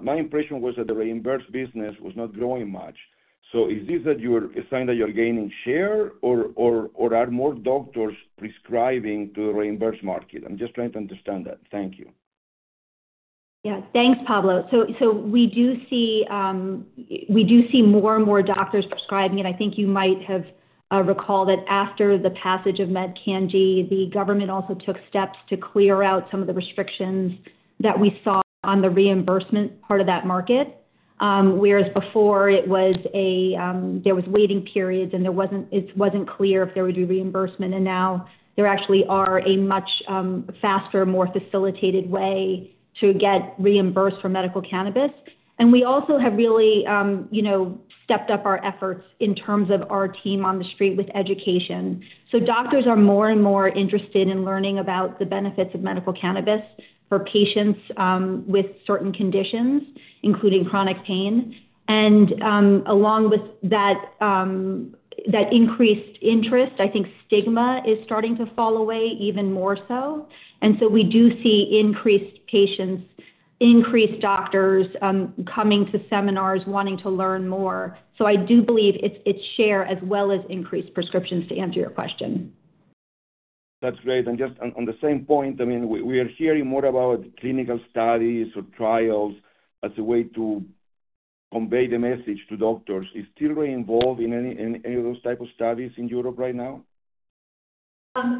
My impression was that the reimbursed business was not growing much. Is this a sign that you're gaining share, or are more doctors prescribing to the reimbursed market? I'm just trying to understand that. Thank you. Yeah, thanks, Pablo. We do see more and more doctors prescribing. I think you might have recalled that after the passage of MedCANG, the government also took steps to clear out some of the restrictions that we saw on the reimbursement part of that market. Whereas before, there were waiting periods, and it was not clear if there would be reimbursement. Now there actually is a much faster, more facilitated way to get reimbursed for medical cannabis. We also have really stepped up our efforts in terms of our team on the street with education. Doctors are more and more interested in learning about the benefits of medical cannabis for patients with certain conditions, including chronic pain. Along with that increased interest, I think stigma is starting to fall away even more so. We do see increased patients, increased doctors coming to seminars wanting to learn more. I do believe it's share as well as increased prescriptions to answer your question. That's great. Just on the same point, I mean, we are hearing more about clinical studies or trials as a way to convey the message to doctors. Is Tilray involved in any of those types of studies in Europe right now?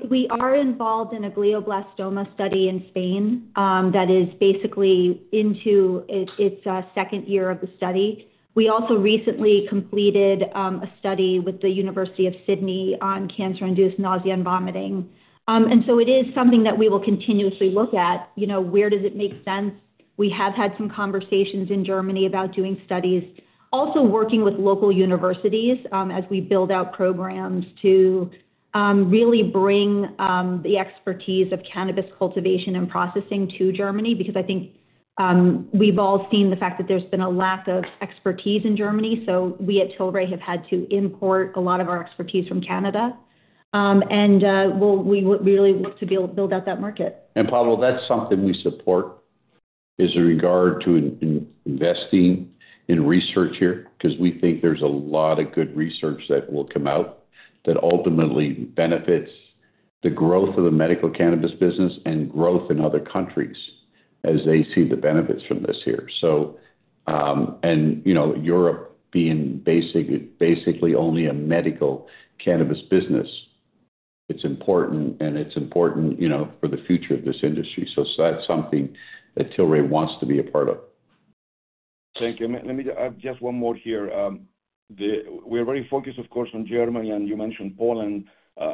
We are involved in a glioblastoma study in Spain that is basically into its second year of the study. We also recently completed a study with the University of Sydney on cancer-induced nausea and vomiting. It is something that we will continuously look at. Where does it make sense? We have had some conversations in Germany about doing studies, also working with local universities as we build out programs to really bring the expertise of cannabis cultivation and processing to Germany because I think we've all seen the fact that there's been a lack of expertise in Germany. We at Tilray have had to import a lot of our expertise from Canada. We really look to build out that market. Pablo, that's something we support in regard to investing in research here because we think there's a lot of good research that will come out that ultimately benefits the growth of the medical cannabis business and growth in other countries as they see the benefits from this here. Europe being basically only a medical cannabis business, it's important, and it's important for the future of this industry. That's something that Tilray wants to be a part of. Thank you. Just one more here. We're very focused, of course, on Germany, and you mentioned Poland.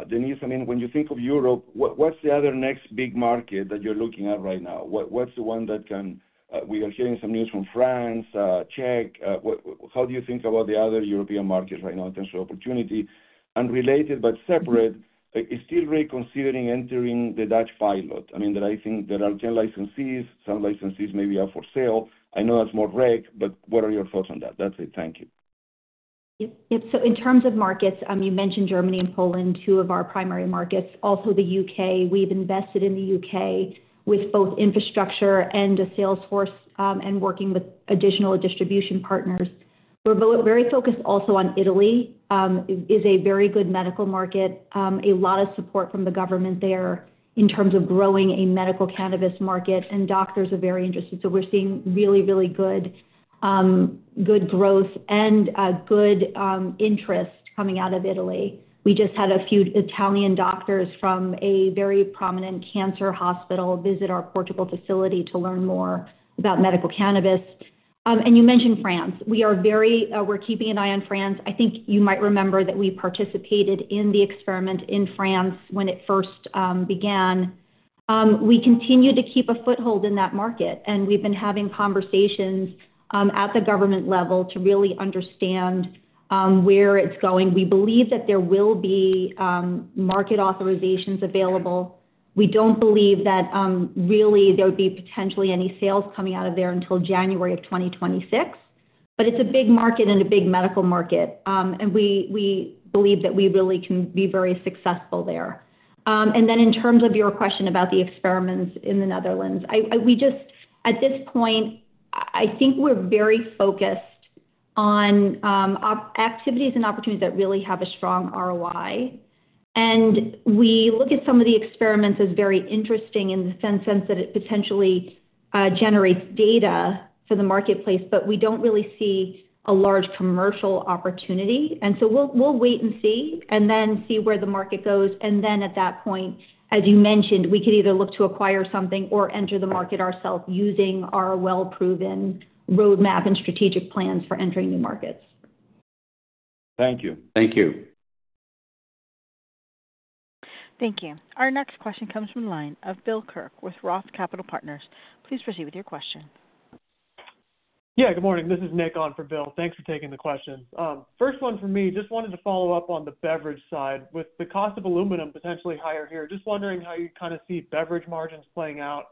Denise, I mean, when you think of Europe, what's the other next big market that you're looking at right now? What's the one that can we are hearing some news from France, Czech? How do you think about the other European markets right now in terms of opportunity? Related but separate, is Tilray considering entering the Dutch pilot? I mean, I think there are 10 licensees, some licensees maybe are for sale. I know that's more REC, but what are your thoughts on that? That's it. Thank you. Yep. In terms of markets, you mentioned Germany and Poland, two of our primary markets. Also the U.K. We've invested in the U.K. with both infrastructure and a salesforce and working with additional distribution partners. We're very focused also on Italy. It is a very good medical market, a lot of support from the government there in terms of growing a medical cannabis market. And doctors are very interested. We're seeing really, really good growth and good interest coming out of Italy. We just had a few Italian doctors from a very prominent cancer hospital visit our Portugal facility to learn more about medical cannabis. You mentioned France. We're keeping an eye on France. I think you might remember that we participated in the experiment in France when it first began. We continue to keep a foothold in that market. We have been having conversations at the government level to really understand where it is going. We believe that there will be market authorizations available. We do not believe that really there would be potentially any sales coming out of there until January of 2026. It is a big market and a big medical market. We believe that we really can be very successful there. In terms of your question about the experiments in the Netherlands, at this point, I think we are very focused on activities and opportunities that really have a strong ROI. We look at some of the experiments as very interesting in the sense that it potentially generates data for the marketplace, but we do not really see a large commercial opportunity. We will wait and see and then see where the market goes. At that point, as you mentioned, we could either look to acquire something or enter the market ourselves using our well-proven roadmap and strategic plans for entering new markets. Thank you. Thank you. Thank you. Our next question comes from the line of Bill Kirk with Roth Capital Partners. Please proceed with your question. Yeah, good morning. This is Nick on for Bill. Thanks for taking the question. First one for me, just wanted to follow up on the beverage side with the cost of aluminum potentially higher here. Just wondering how you kind of see beverage margins playing out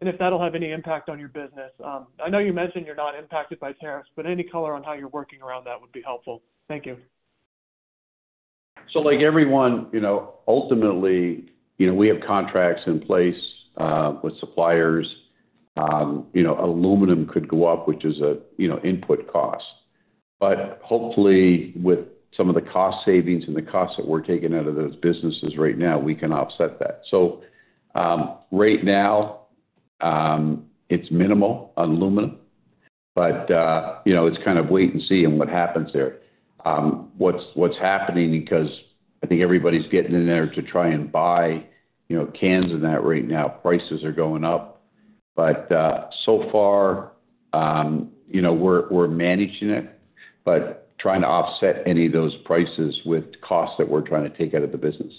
and if that'll have any impact on your business. I know you mentioned you're not impacted by tariffs, but any color on how you're working around that would be helpful. Thank you. Like everyone, ultimately, we have contracts in place with suppliers. Aluminum could go up, which is an input cost. Hopefully, with some of the cost savings and the costs that we're taking out of those businesses right now, we can offset that. Right now, it's minimal on aluminum, but it's kind of wait and see what happens there. What's happening, because I think everybody's getting in there to try and buy cans of that right now. Prices are going up. So far, we're managing it, but trying to offset any of those prices with costs that we're trying to take out of the business.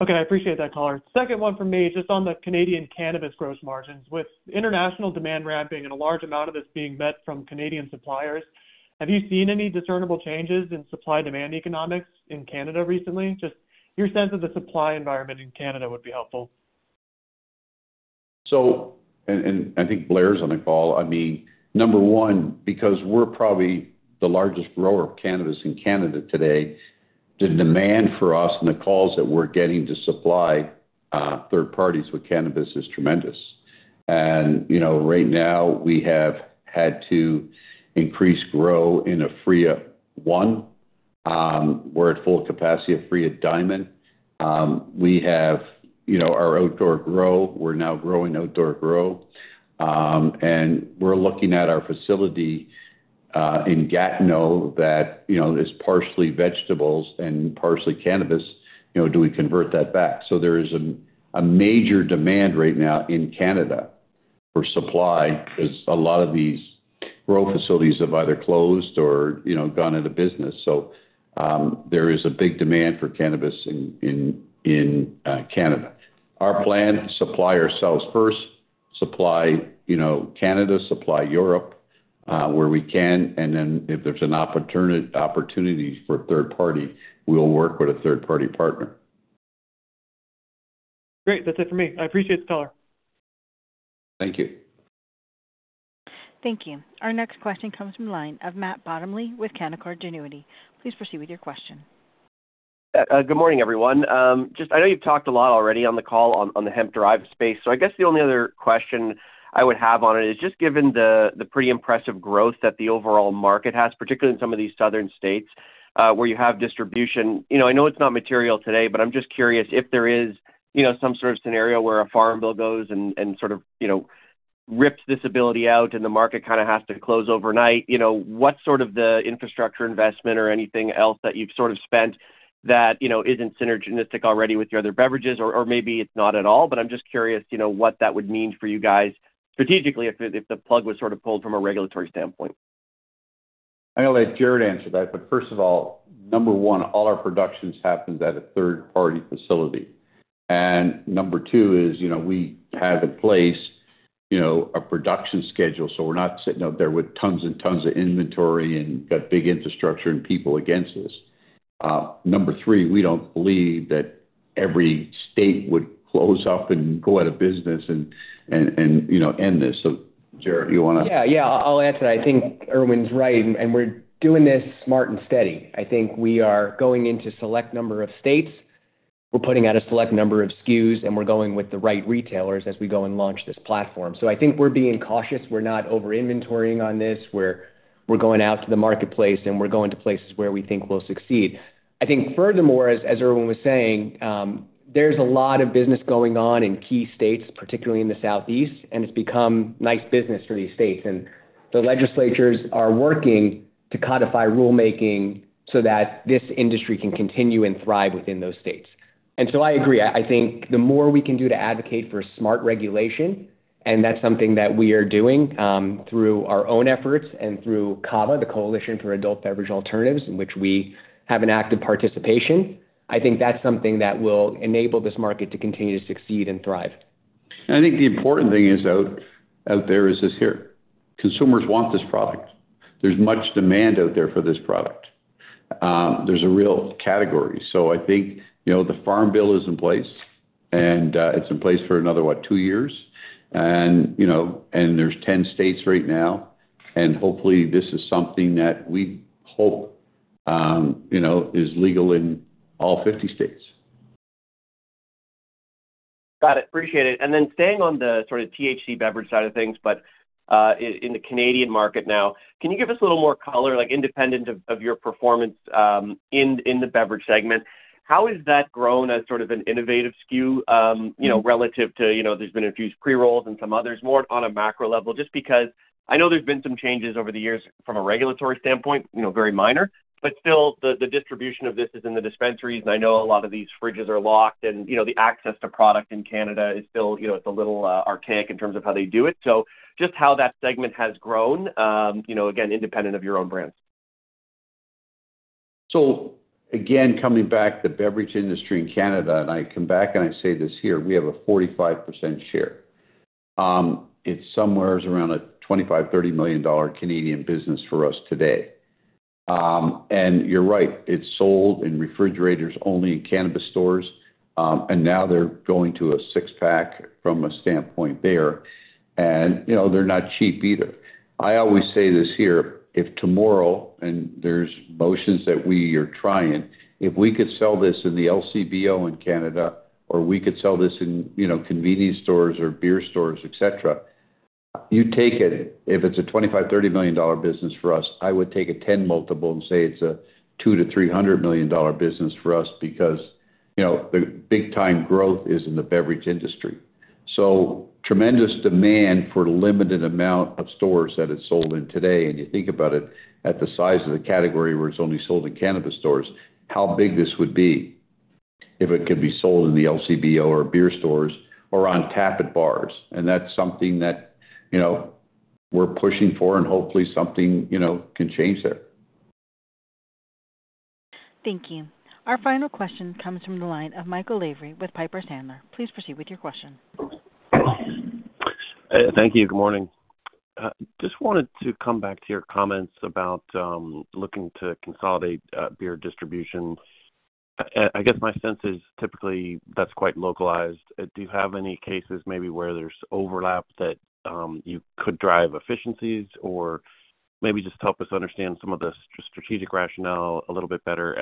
Okay. I appreciate that color. Second one for me, just on the Canadian cannabis gross margins. With international demand ramping and a large amount of this being met from Canadian suppliers, have you seen any discernible changes in supply-demand economics in Canada recently? Just your sense of the supply environment in Canada would be helpful. I think Blair's on the call. I mean, number one, because we're probably the largest grower of cannabis in Canada today, the demand for us and the calls that we're getting to supply third parties with cannabis is tremendous. Right now, we have had to increase grow in a Fria One. We're at full capacity at Fria Diamond. We have our outdoor grow. We're now growing outdoor grow. We're looking at our facility in Gatineau that is partially vegetables and partially cannabis. Do we convert that back? There is a major demand right now in Canada for supply because a lot of these grow facilities have either closed or gone out of business. There is a big demand for cannabis in Canada. Our plan, supply ourselves first, supply Canada, supply Europe where we can. If there is an opportunity for a third party, we will work with a third-party partner. Great. That is it for me. I appreciate the color. Thank you. Thank you. Our next question comes from the line of Matt Bottomley with Canaccord Genuity. Please proceed with your question. Good morning, everyone. I know you have talked a lot already on the call on the hemp drive space. I guess the only other question I would have on it is just given the pretty impressive growth that the overall market has, particularly in some of these southern states where you have distribution. I know it is not material today, but I am just curious if there is some sort of scenario where a farm bill goes and sort of rips this ability out and the market kind of has to close overnight. What sort of the infrastructure investment or anything else that you've sort of spent that isn't synergistic already with your other beverages? Or maybe it's not at all, but I'm just curious what that would mean for you guys strategically if the plug was sort of pulled from a regulatory standpoint. I'll let Jared answer that, but first of all, number one, all our productions happen at a third-party facility. And number two is we have in place a production schedule. So we're not sitting out there with tons and tons of inventory and got big infrastructure and people against us. Number three, we don't believe that every state would close up and go out of business and end this. Jared, do you want to? Yeah, yeah. I'll add to that. I think Irwin's right. And we're doing this smart and steady. I think we are going into a select number of states. We're putting out a select number of SKUs, and we're going with the right retailers as we go and launch this platform. I think we're being cautious. We're not over-inventorying on this. We're going out to the marketplace, and we're going to places where we think we'll succeed. I think furthermore, as Irwin was saying, there's a lot of business going on in key states, particularly in the Southeast, and it's become nice business for these states. The legislatures are working to codify rulemaking so that this industry can continue and thrive within those states. I agree. I think the more we can do to advocate for smart regulation, and that's something that we are doing through our own efforts and through CABA, the Coalition for Adult Beverage Alternatives, in which we have an active participation, I think that's something that will enable this market to continue to succeed and thrive. I think the important thing out there is this here. Consumers want this product. There's much demand out there for this product. There's a real category. I think the farm bill is in place, and it's in place for another, what, two years. There's 10 states right now. Hopefully, this is something that we hope is legal in all 50 states. Got it. Appreciate it. Staying on the sort of THC beverage side of things, but in the Canadian market now, can you give us a little more color, independent of your performance in the beverage segment? How has that grown as sort of an innovative SKU relative to there's been a few pre-rolls and some others more on a macro level? Just because I know there's been some changes over the years from a regulatory standpoint, very minor, but still the distribution of this is in the dispensaries. I know a lot of these fridges are locked, and the access to product in Canada is still a little archaic in terms of how they do it. Just how that segment has grown, again, independent of your own brands. Again, coming back to the beverage industry in Canada, and I come back and I say this here, we have a 45% share. It's somewhere around a 25 million dollar to 30 million Canadian dollars business for us today. You're right. It's sold in refrigerators only in cannabis stores. Now they're going to a six-pack from a standpoint there. They're not cheap either. I always say this here, if tomorrow, and there's motions that we are trying, if we could sell this in the LCBO in Canada, or we could sell this in convenience stores or beer stores, etc., you take it, if it's a 25 million-30 million dollar business for us, I would take a 10 multiple and say it's a 200 million-300 million dollar business for us because the big-time growth is in the beverage industry. Tremendous demand for a limited amount of stores that it's sold in today. You think about it, at the size of the category where it's only sold in cannabis stores, how big this would be if it could be sold in the LCBO or beer stores or on tap at bars. That's something that we're pushing for, and hopefully, something can change there. Thank you. Our final question comes from the line of Michael Laverty with Piper Sandler. Please proceed with your question. Thank you. Good morning. Just wanted to come back to your comments about looking to consolidate beer distribution. I guess my sense is typically that's quite localized. Do you have any cases maybe where there's overlap that you could drive efficiencies or maybe just help us understand some of the strategic rationale a little bit better?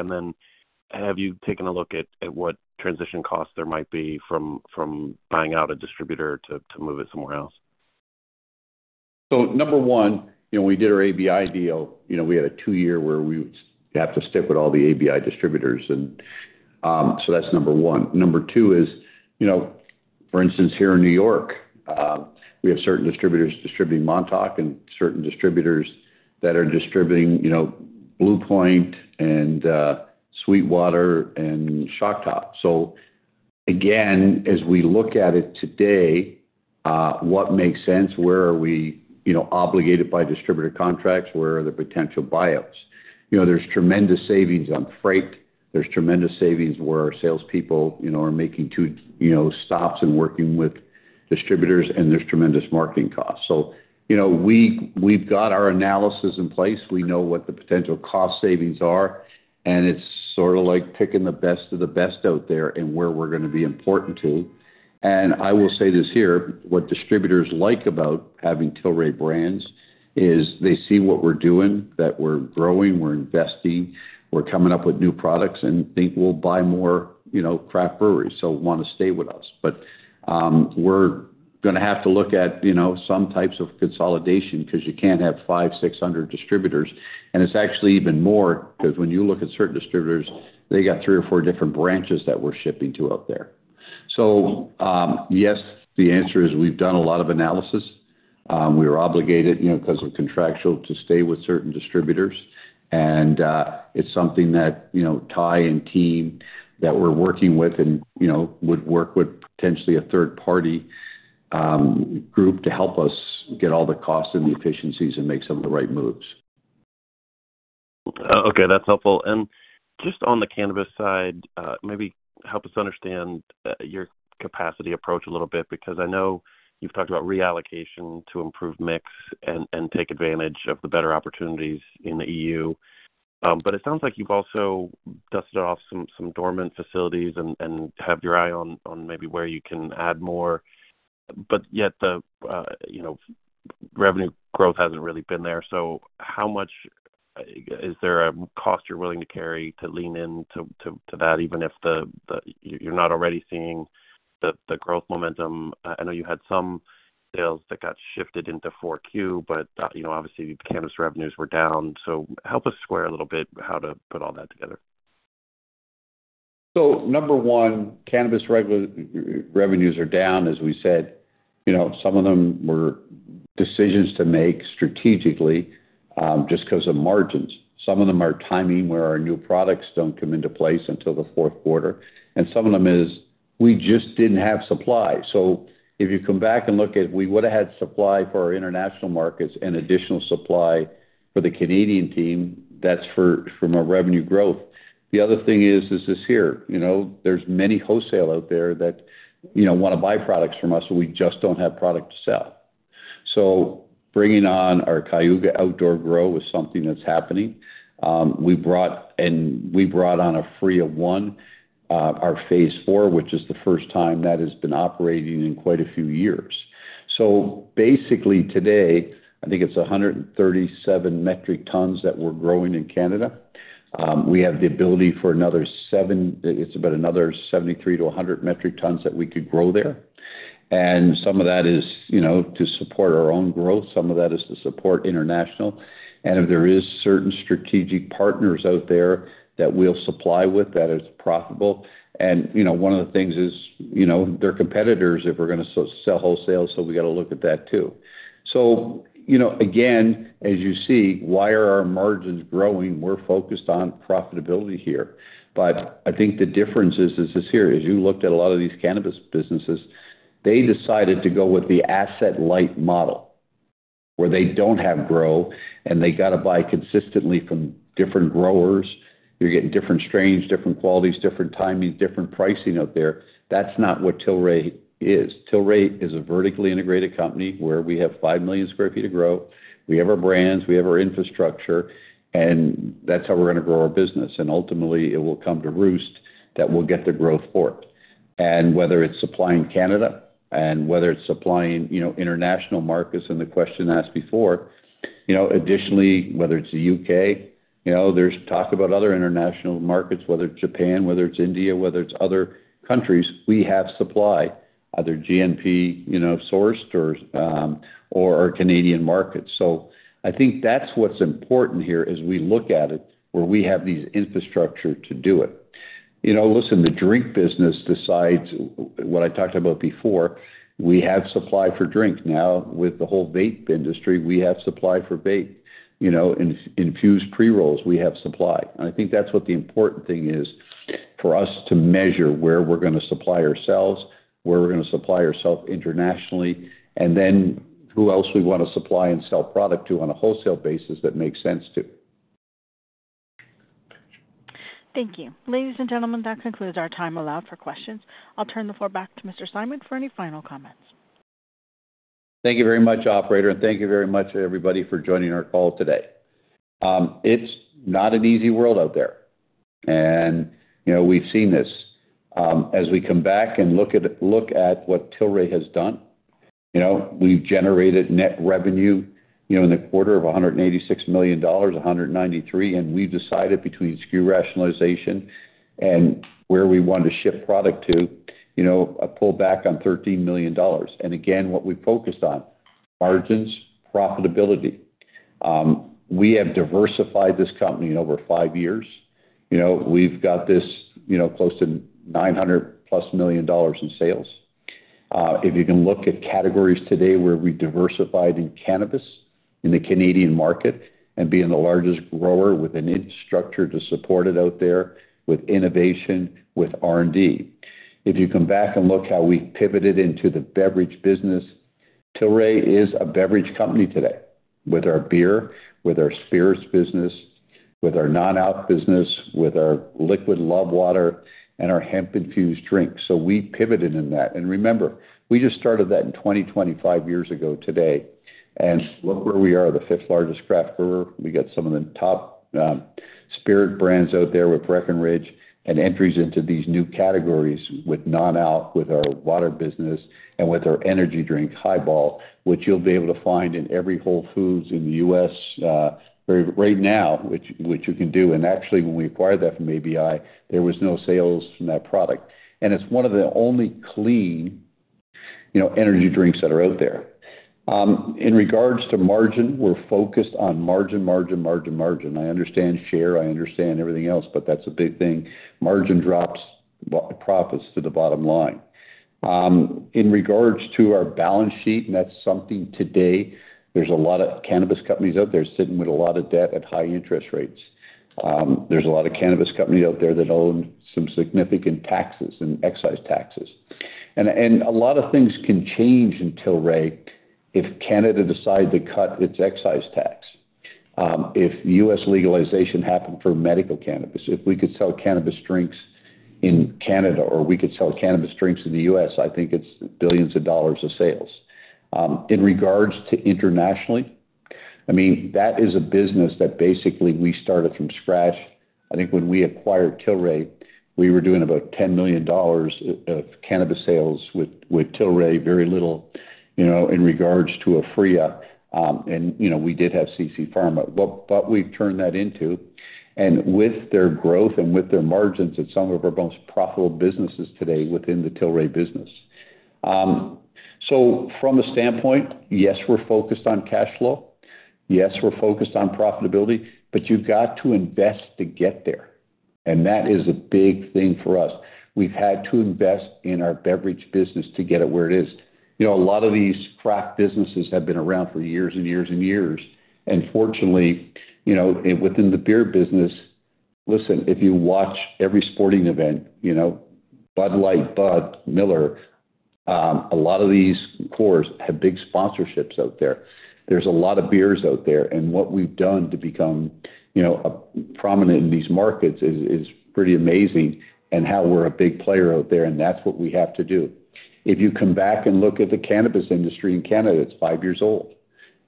Have you taken a look at what transition costs there might be from buying out a distributor to move it somewhere else? Number one, when we did our ABI deal, we had a two-year where we would have to stick with all the ABI distributors. That is number one. Number two is, for instance, here in New York, we have certain distributors distributing Montauk and certain distributors that are distributing Blue Point and Sweetwater and Shock Top. As we look at it today, what makes sense? Where are we obligated by distributor contracts? Where are the potential buyouts? There are tremendous savings on freight. There are tremendous savings where our salespeople are making two stops and working with distributors, and there are tremendous marketing costs. We have our analysis in place. We know what the potential cost savings are. It is sort of like picking the best of the best out there and where we are going to be important to. I will say this here. What distributors like about having Tilray Brands is they see what we are doing, that we are growing, we are investing, we are coming up with new products, and think we will buy more craft breweries. They want to stay with us. We are going to have to look at some types of consolidation because you cannot have 500-600 distributors. It is actually even more because when you look at certain distributors, they have three or four different branches that we are shipping to out there. Yes, the answer is we have done a lot of analysis. We were obligated because of contractual to stay with certain distributors. It is something that Ty and team that we are working with and would work with potentially a third-party group to help us get all the costs and the efficiencies and make some of the right moves. Okay. That is helpful. Just on the cannabis side, maybe help us understand your capacity approach a little bit because I know you have talked about reallocation to improve mix and take advantage of the better opportunities in the EU. It sounds like you have also dusted off some dormant facilities and have your eye on maybe where you can add more. Yet, the revenue growth has not really been there. How much is there a cost you are willing to carry to lean into that even if you are not already seeing the growth momentum? I know you had some sales that got shifted into 4Q, but obviously, cannabis revenues were down. Help us square a little bit how to put all that together. Number one, cannabis revenues are down, as we said. Some of them were decisions to make strategically just because of margins. Some of them are timing where our new products do not come into place until the fourth quarter. Some of them is we just did not have supply. If you come back and look at it, we would have had supply for our international markets and additional supply for the Canadian team. That is from our revenue growth. The other thing is this here. There are many wholesale out there that want to buy products from us, and we just do not have product to sell. Bringing on our Cayuga Outdoor Grow is something that is happening. We brought on a Fria One, our phase four, which is the first time that has been operating in quite a few years. Basically, today, I think it is 137 metric tons that we are growing in Canada. We have the ability for another seven; it is about another 73-100 metric tons that we could grow there. Some of that is to support our own growth. Some of that is to support international. If there are certain strategic partners out there that we will supply with, that is profitable. One of the things is they are competitors, if we are going to sell wholesale, so we have to look at that too. As you see, why are our margins growing? We are focused on profitability here. I think the difference is this here. As you looked at a lot of these cannabis businesses, they decided to go with the asset light model where they do not have grow, and they got to buy consistently from different growers. You are getting different strains, different qualities, different timing, different pricing out there. That is not what Tilray is. Tilray is a vertically integrated company where we have 5 million sq ft of grow. We have our brands. We have our infrastructure. That is how we are going to grow our business. Ultimately, it will come to roost that we will get the growth for it. Whether it is supplying Canada and whether it is supplying international markets and the question asked before, additionally, whether it is the U.K., there is talk about other international markets, whether it is Japan, whether it is India, whether it is other countries, we have supply, either GNP-sourced or Canadian markets. I think that's what's important here as we look at it where we have these infrastructure to do it. Listen, the drink business, besides what I talked about before, we have supply for drink. Now, with the whole vape industry, we have supply for vape infused pre-rolls. We have supply. I think that's what the important thing is for us to measure where we're going to supply ourselves, where we're going to supply ourselves internationally, and then who else we want to supply and sell product to on a wholesale basis that makes sense to. Thank you. Ladies and gentlemen, that concludes our time allowed for questions. I'll turn the floor back to Mr. Simon for any final comments. Thank you very much, operator. Thank you very much, everybody, for joining our call today. It's not an easy world out there. We've seen this. As we come back and look at what Tilray has done, we've generated net revenue in the quarter of $186 million, $193 million. We have decided between SKU rationalization and where we want to ship product to, a pullback on $13 million. What we focused on is margins, profitability. We have diversified this company in over five years. We've got this close to $900 million plus in sales. If you can look at categories today where we diversified in cannabis in the Canadian market and being the largest grower with an infrastructure to support it out there with innovation, with R&D. If you come back and look how we pivoted into the beverage business, Tilray is a beverage company today with our beer, with our spirits business, with our non-alc business, with our liquid love water, and our hemp-infused drinks. We pivoted in that. Remember, we just started that in 2020, five years ago today. Look where we are, the 5th largest craft brewer. We got some of the top spirit brands out there with Breckenridge and entries into these new categories with non-alc with our water business and with our energy drink Highball, which you'll be able to find in every Whole Foods in the U.S. right now, which you can do. Actually, when we acquired that from ABI, there was no sales from that product. It's one of the only clean energy drinks that are out there. In regards to margin, we're focused on margin, margin, margin, margin. I understand share. I understand everything else, but that's a big thing. Margin drops profits to the bottom line. In regards to our balance sheet, and that's something today, there's a lot of cannabis companies out there sitting with a lot of debt at high interest rates. There's a lot of cannabis companies out there that own some significant taxes and excise taxes. A lot of things can change in Tilray if Canada decides to cut its excise tax. If the U.S. legalization happened for medical cannabis, if we could sell cannabis drinks in Canada or we could sell cannabis drinks in the U.S., I think it's billions of dollars of sales. In regards to internationally, I mean, that is a business that basically we started from scratch. I think when we acquired Tilray, we were doing about $10 million of cannabis sales with Tilray, very little in regards to Aphria. We did have CC Pharma, but we've turned that into, and with their growth and with their margins, at some of our most profitable businesses today within the Tilray business. From a standpoint, yes, we're focused on cash flow. Yes, we're focused on profitability, but you've got to invest to get there. That is a big thing for us. We've had to invest in our beverage business to get it where it is. A lot of these craft businesses have been around for years and years and years. Fortunately, within the beer business, listen, if you watch every sporting event, Bud Light, Bud, Miller, a lot of these Coors have big sponsorships out there. There's a lot of beers out there. What we've done to become prominent in these markets is pretty amazing and how we're a big player out there. That's what we have to do. If you come back and look at the cannabis industry in Canada, it's five years old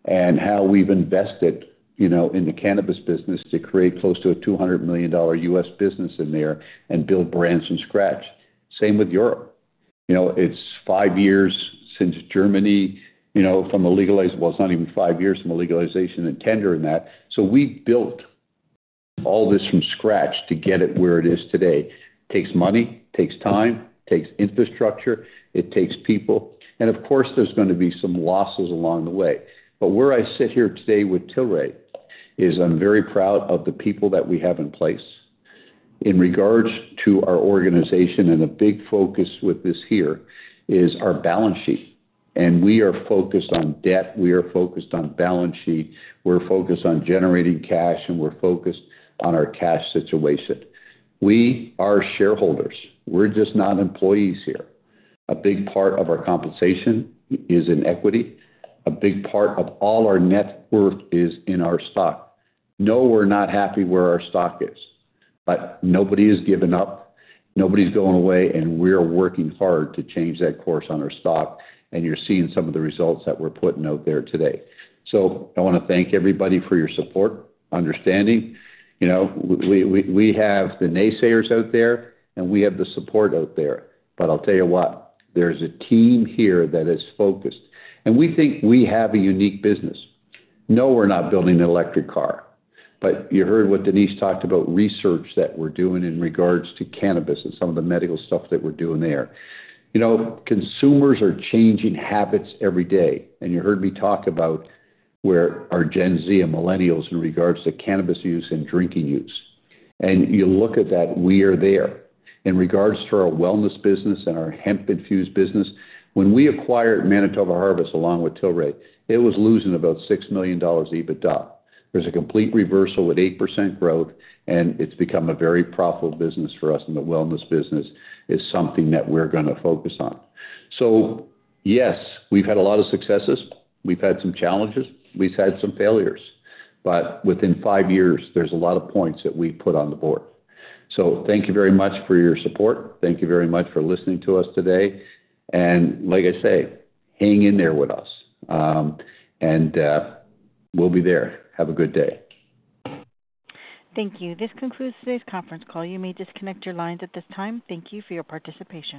and how we've invested in the cannabis business to create close to a $200 million US business in there and build brands from scratch. Same with Europe. It's five years since Germany from a legalization, well, it's not even five years from a legalization and tender in that. We have built all this from scratch to get it where it is today. It takes money, takes time, takes infrastructure. It takes people. Of course, there's going to be some losses along the way. Where I sit here today with Tilray is I'm very proud of the people that we have in place. In regards to our organization and a big focus with this here is our balance sheet. We are focused on debt. We are focused on balance sheet. We're focused on generating cash, and we're focused on our cash situation. We are shareholders. We're just not employees here. A big part of our compensation is in equity. A big part of all our net worth is in our stock. No, we're not happy where our stock is, but nobody has given up. Nobody's going away. We're working hard to change that course on our stock. You're seeing some of the results that we're putting out there today. I want to thank everybody for your support, understanding. We have the naysayers out there, and we have the support out there. I'll tell you what, there's a team here that is focused. We think we have a unique business. No, we're not building an electric car. You heard what Denise talked about, research that we're doing in regards to cannabis and some of the medical stuff that we're doing there. Consumers are changing habits every day. You heard me talk about where our Gen Z and millennials in regards to cannabis use and drinking use. You look at that, we are there. In regards to our wellness business and our hemp-infused business, when we acquired Manitoba Harvest along with Tilray, it was losing about $6 million EBITDA. There's a complete reversal with 8% growth, and it's become a very profitable business for us and the wellness business is something that we're going to focus on. Yes, we've had a lot of successes. We've had some challenges. We've had some failures. Within five years, there's a lot of points that we put on the board. Thank you very much for your support. Thank you very much for listening to us today. Like I say, hang in there with us. We'll be there. Have a good day. Thank you. This concludes today's conference call. You may disconnect your lines at this time. Thank you for your participation.